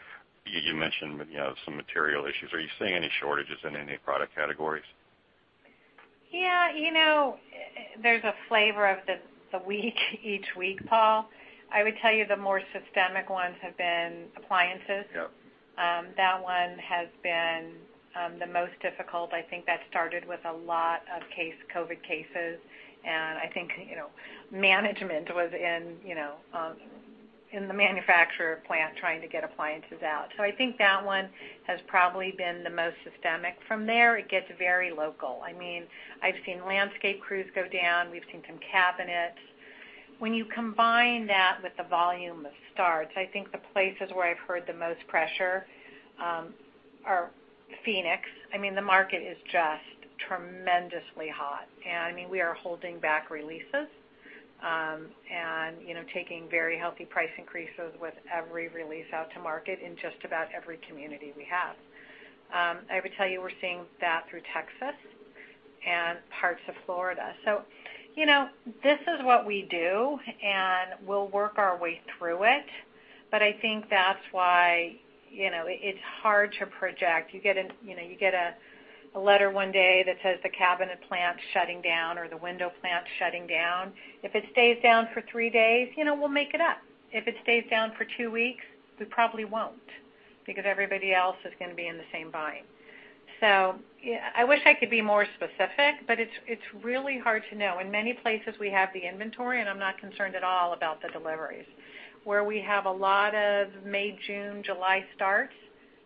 you mentioned some material issues. Are you seeing any shortages in any product categories? Yeah. There's a flavor of the week each week, Paul. I would tell you the more systemic ones have been appliances. That one has been the most difficult. I think that started with a lot of COVID cases. I think management was in the manufacturer plant trying to get appliances out. I think that one has probably been the most systemic. From there, it gets very local. I mean, I've seen landscape crews go down. We've seen some cabinets. When you combine that with the volume of starts, I think the places where I've heard the most pressure are Phoenix. I mean, the market is just tremendously hot. And I mean, we are holding back releases and taking very healthy price increases with every release out to market in just about every community we have. I would tell you we're seeing that through Texas and parts of Florida. So this is what we do, and we'll work our way through it. But I think that's why it's hard to project. You get a letter one day that says the cabinet plant's shutting down or the window plant's shutting down. If it stays down for three days, we'll make it up. If it stays down for two weeks, we probably won't because everybody else is going to be in the same bind. So I wish I could be more specific, but it's really hard to know. In many places, we have the inventory, and I'm not concerned at all about the deliveries. Where we have a lot of May, June, July starts,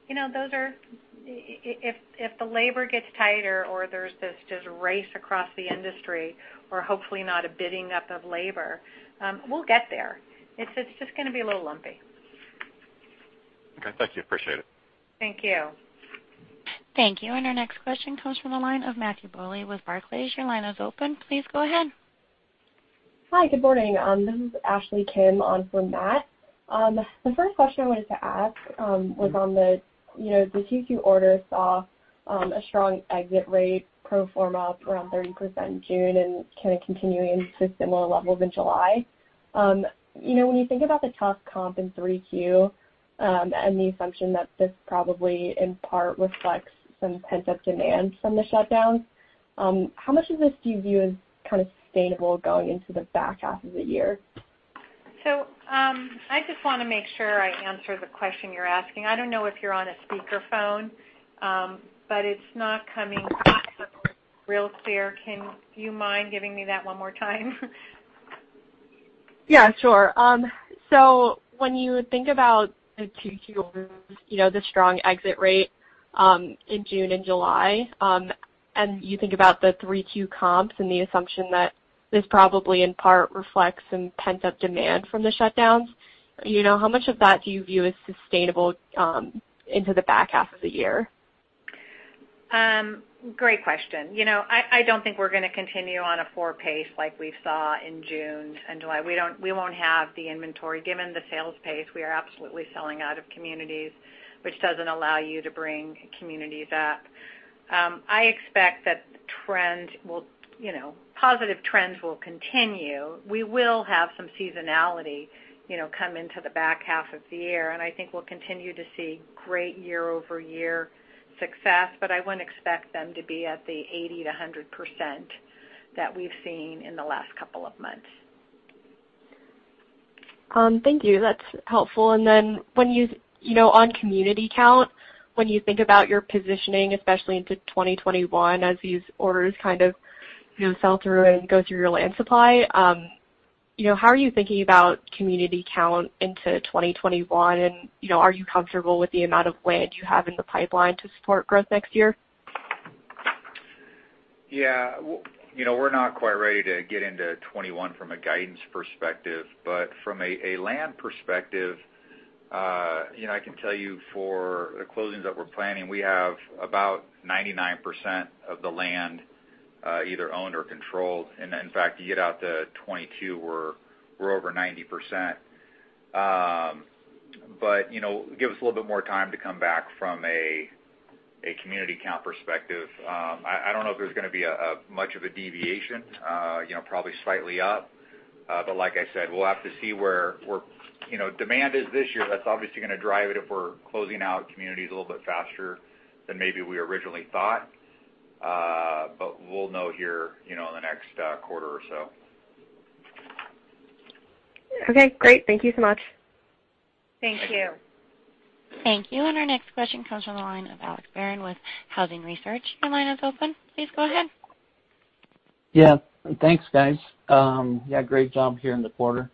those are if the labor gets tighter or there's this race across the industry or hopefully not a bidding up of labor, we'll get there. It's just going to be a little lumpy. Okay. Thank you. Appreciate it. Thank you. Thank you. And our next question comes from the line of Matthew Bouley with Barclays. Your line is open. Please go ahead. Hi. Good morning. This is Ashley Kim on for Matt. The first question I wanted to ask was on this Q2 order saw a strong exit rate, pro forma around 30% in June, and kind of continuing to similar levels in July. When you think about the tough comp in 3Q and the assumption that this probably in part reflects some pent-up demand from the shutdowns, how much of this do you view as kind of sustainable going into the back half of the year? So I just want to make sure I answer the question you're asking. I don't know if you're on a speakerphone, but it's not coming back up real clear. Would you mind giving me that one more time? Yeah, sure. So when you think about the Q2, the strong exit rate in June and July, and you think about the 3Q comps and the assumption that this probably in part reflects some pent-up demand from the shutdowns, how much of that do you view as sustainable into the back half of the year? Great question. I don't think we're going to continue on a full pace like we saw in June and July. We won't have the inventory. Given the sales pace, we are absolutely selling out of communities, which doesn't allow you to bring communities up. I expect that positive trends will continue. We will have some seasonality come into the back half of the year. And I think we'll continue to see great year-over-year success, but I wouldn't expect them to be at the 80%–100% that we've seen in the last couple of months. Thank you. That's helpful. And then on community count, when you think about your positioning, especially into 2021 as these orders kind of sell through and go through your land supply, how are you thinking about community count into 2021? And are you comfortable with the amount of land you have in the pipeline to support growth next year? Yeah. We're not quite ready to get into 2021 from a guidance perspective. But from a land perspective, I can tell you for the closings that we're planning, we have about 99% of the land either owned or controlled. And in fact, you get out to 2022, we're over 90%. But give us a little bit more time to come back from a community count perspective. I don't know if there's going to be much of a deviation, probably slightly up. But like I said, we'll have to see where demand is this year. That's obviously going to drive it if we're closing out communities a little bit faster than maybe we originally thought. But we'll know here in the next quarter or so. Okay. Great. Thank you so much. Thank you. Thank you. And our next question comes from the line of Alex Barron with Housing Research. Your line is open. Please go ahead. Yeah. Thanks, guys. Yeah. Great job here in the quarter.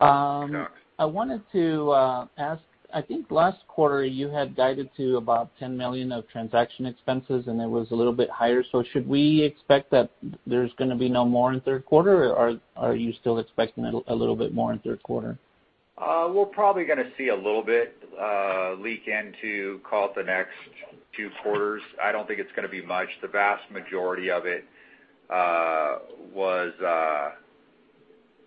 I wanted to ask, I think last quarter you had guided to about $10 million of transaction expenses, and it was a little bit higher. So should we expect that there's going to be no more in third quarter, or are you still expecting a little bit more in third quarter? We're probably going to see a little bit leak into call it the next two quarters. I don't think it's going to be much. The vast majority of it was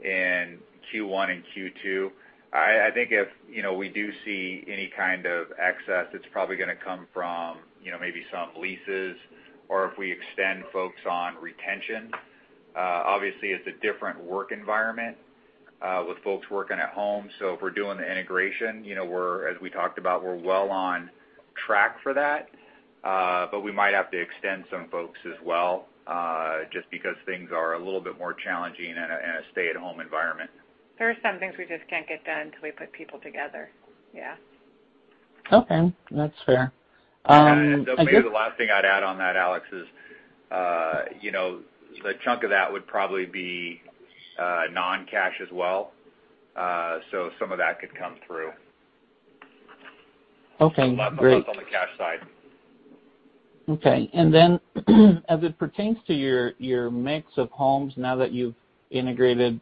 in Q1 and Q2. I think if we do see any kind of excess, it's probably going to come from maybe some leases or if we extend folks on retention. Obviously, it's a different work environment with folks working at home. So if we're doing the integration, as we talked about, we're well on track for that. But we might have to extend some folks as well just because things are a little bit more challenging in a stay-at-home environment. There are some things we just can't get done until we put people together. Yeah. Okay. That's fair. And maybe the last thing I'd add on that, Alex, is the chunk of that would probably be non-cash as well. So some of that could come through. Okay. Great. Less on the cash side. Okay. And then as it pertains to your mix of homes, now that you've integrated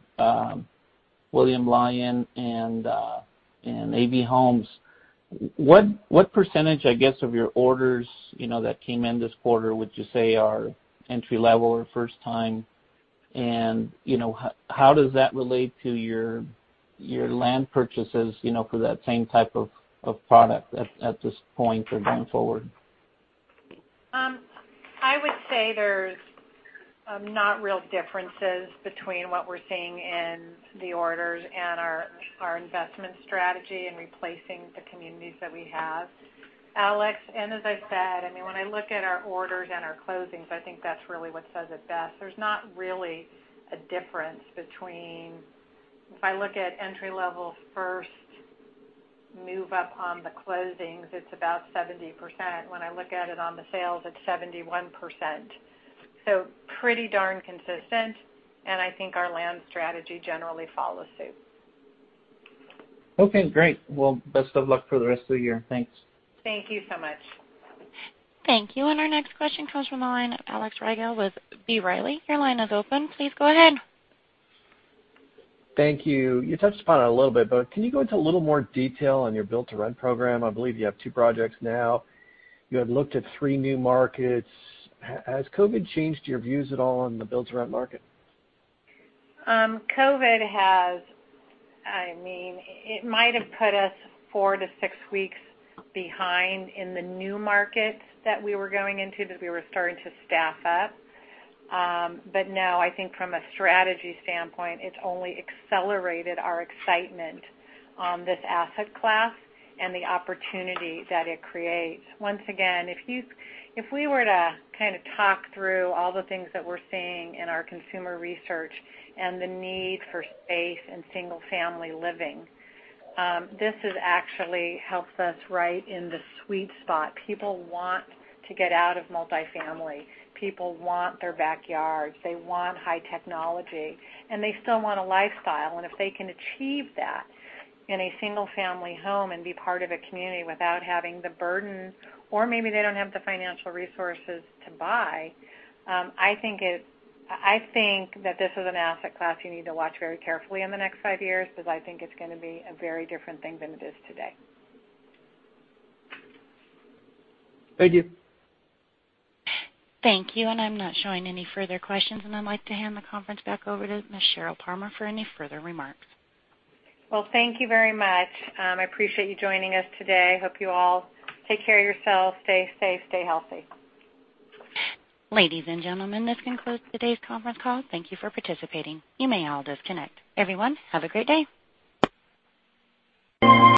William Lyon and AV Homes, what percentage, I guess, of your orders that came in this quarter would you say are entry-level or first-time? And how does that relate to your land purchases for that same type of product at this point or going forward? I would say there's not real differences between what we're seeing in the orders and our investment strategy and replacing the communities that we have. Alex, and as I said, I mean, when I look at our orders and our closings, I think that's really what says it best. There's not really a difference between if I look at entry-level first move-up on the closings, it's about 70%. When I look at it on the sales, it's 71%. So pretty darn consistent. And I think our land strategy generally follows suit. Okay. Great. Well, best of luck for the rest of the year. Thanks. Thank you so much. Thank you. And our next question comes from the line of Alex Rygiel with B. Riley. Your line is open. Please go ahead. Thank you. You touched upon it a little bit, but can you go into a little more detail on your build-to-rent program? I believe you have two projects now. You had looked at three new markets. Has COVID changed your views at all on the build-to-rent market? COVID has, I mean, it might have put us four to six weeks behind in the new markets that we were going into that we were starting to staff up. But no, I think from a strategy standpoint, it's only accelerated our excitement on this asset class and the opportunity that it creates. Once again, if we were to kind of talk through all the things that we're seeing in our consumer research and the need for space and single-family living, this has actually helped us right in the sweet spot. People want to get out of multifamily. People want their backyards. They want high technology. They still want a lifestyle. If they can achieve that in a single-family home and be part of a community without having the burden, or maybe they don't have the financial resources to buy, I think that this is an asset class you need to watch very carefully in the next five years because I think it's going to be a very different thing than it is today. Thank you. Thank you. I'm not showing any further questions. I'd like to hand the conference back over to Ms. Sheryl Palmer for any further remarks. Thank you very much. I appreciate you joining us today. I hope you all take care of yourselves. Stay safe. Stay healthy. Ladies and gentlemen, this concludes today's conference call. Thank you for participating. You may all disconnect. Everyone, have a great day.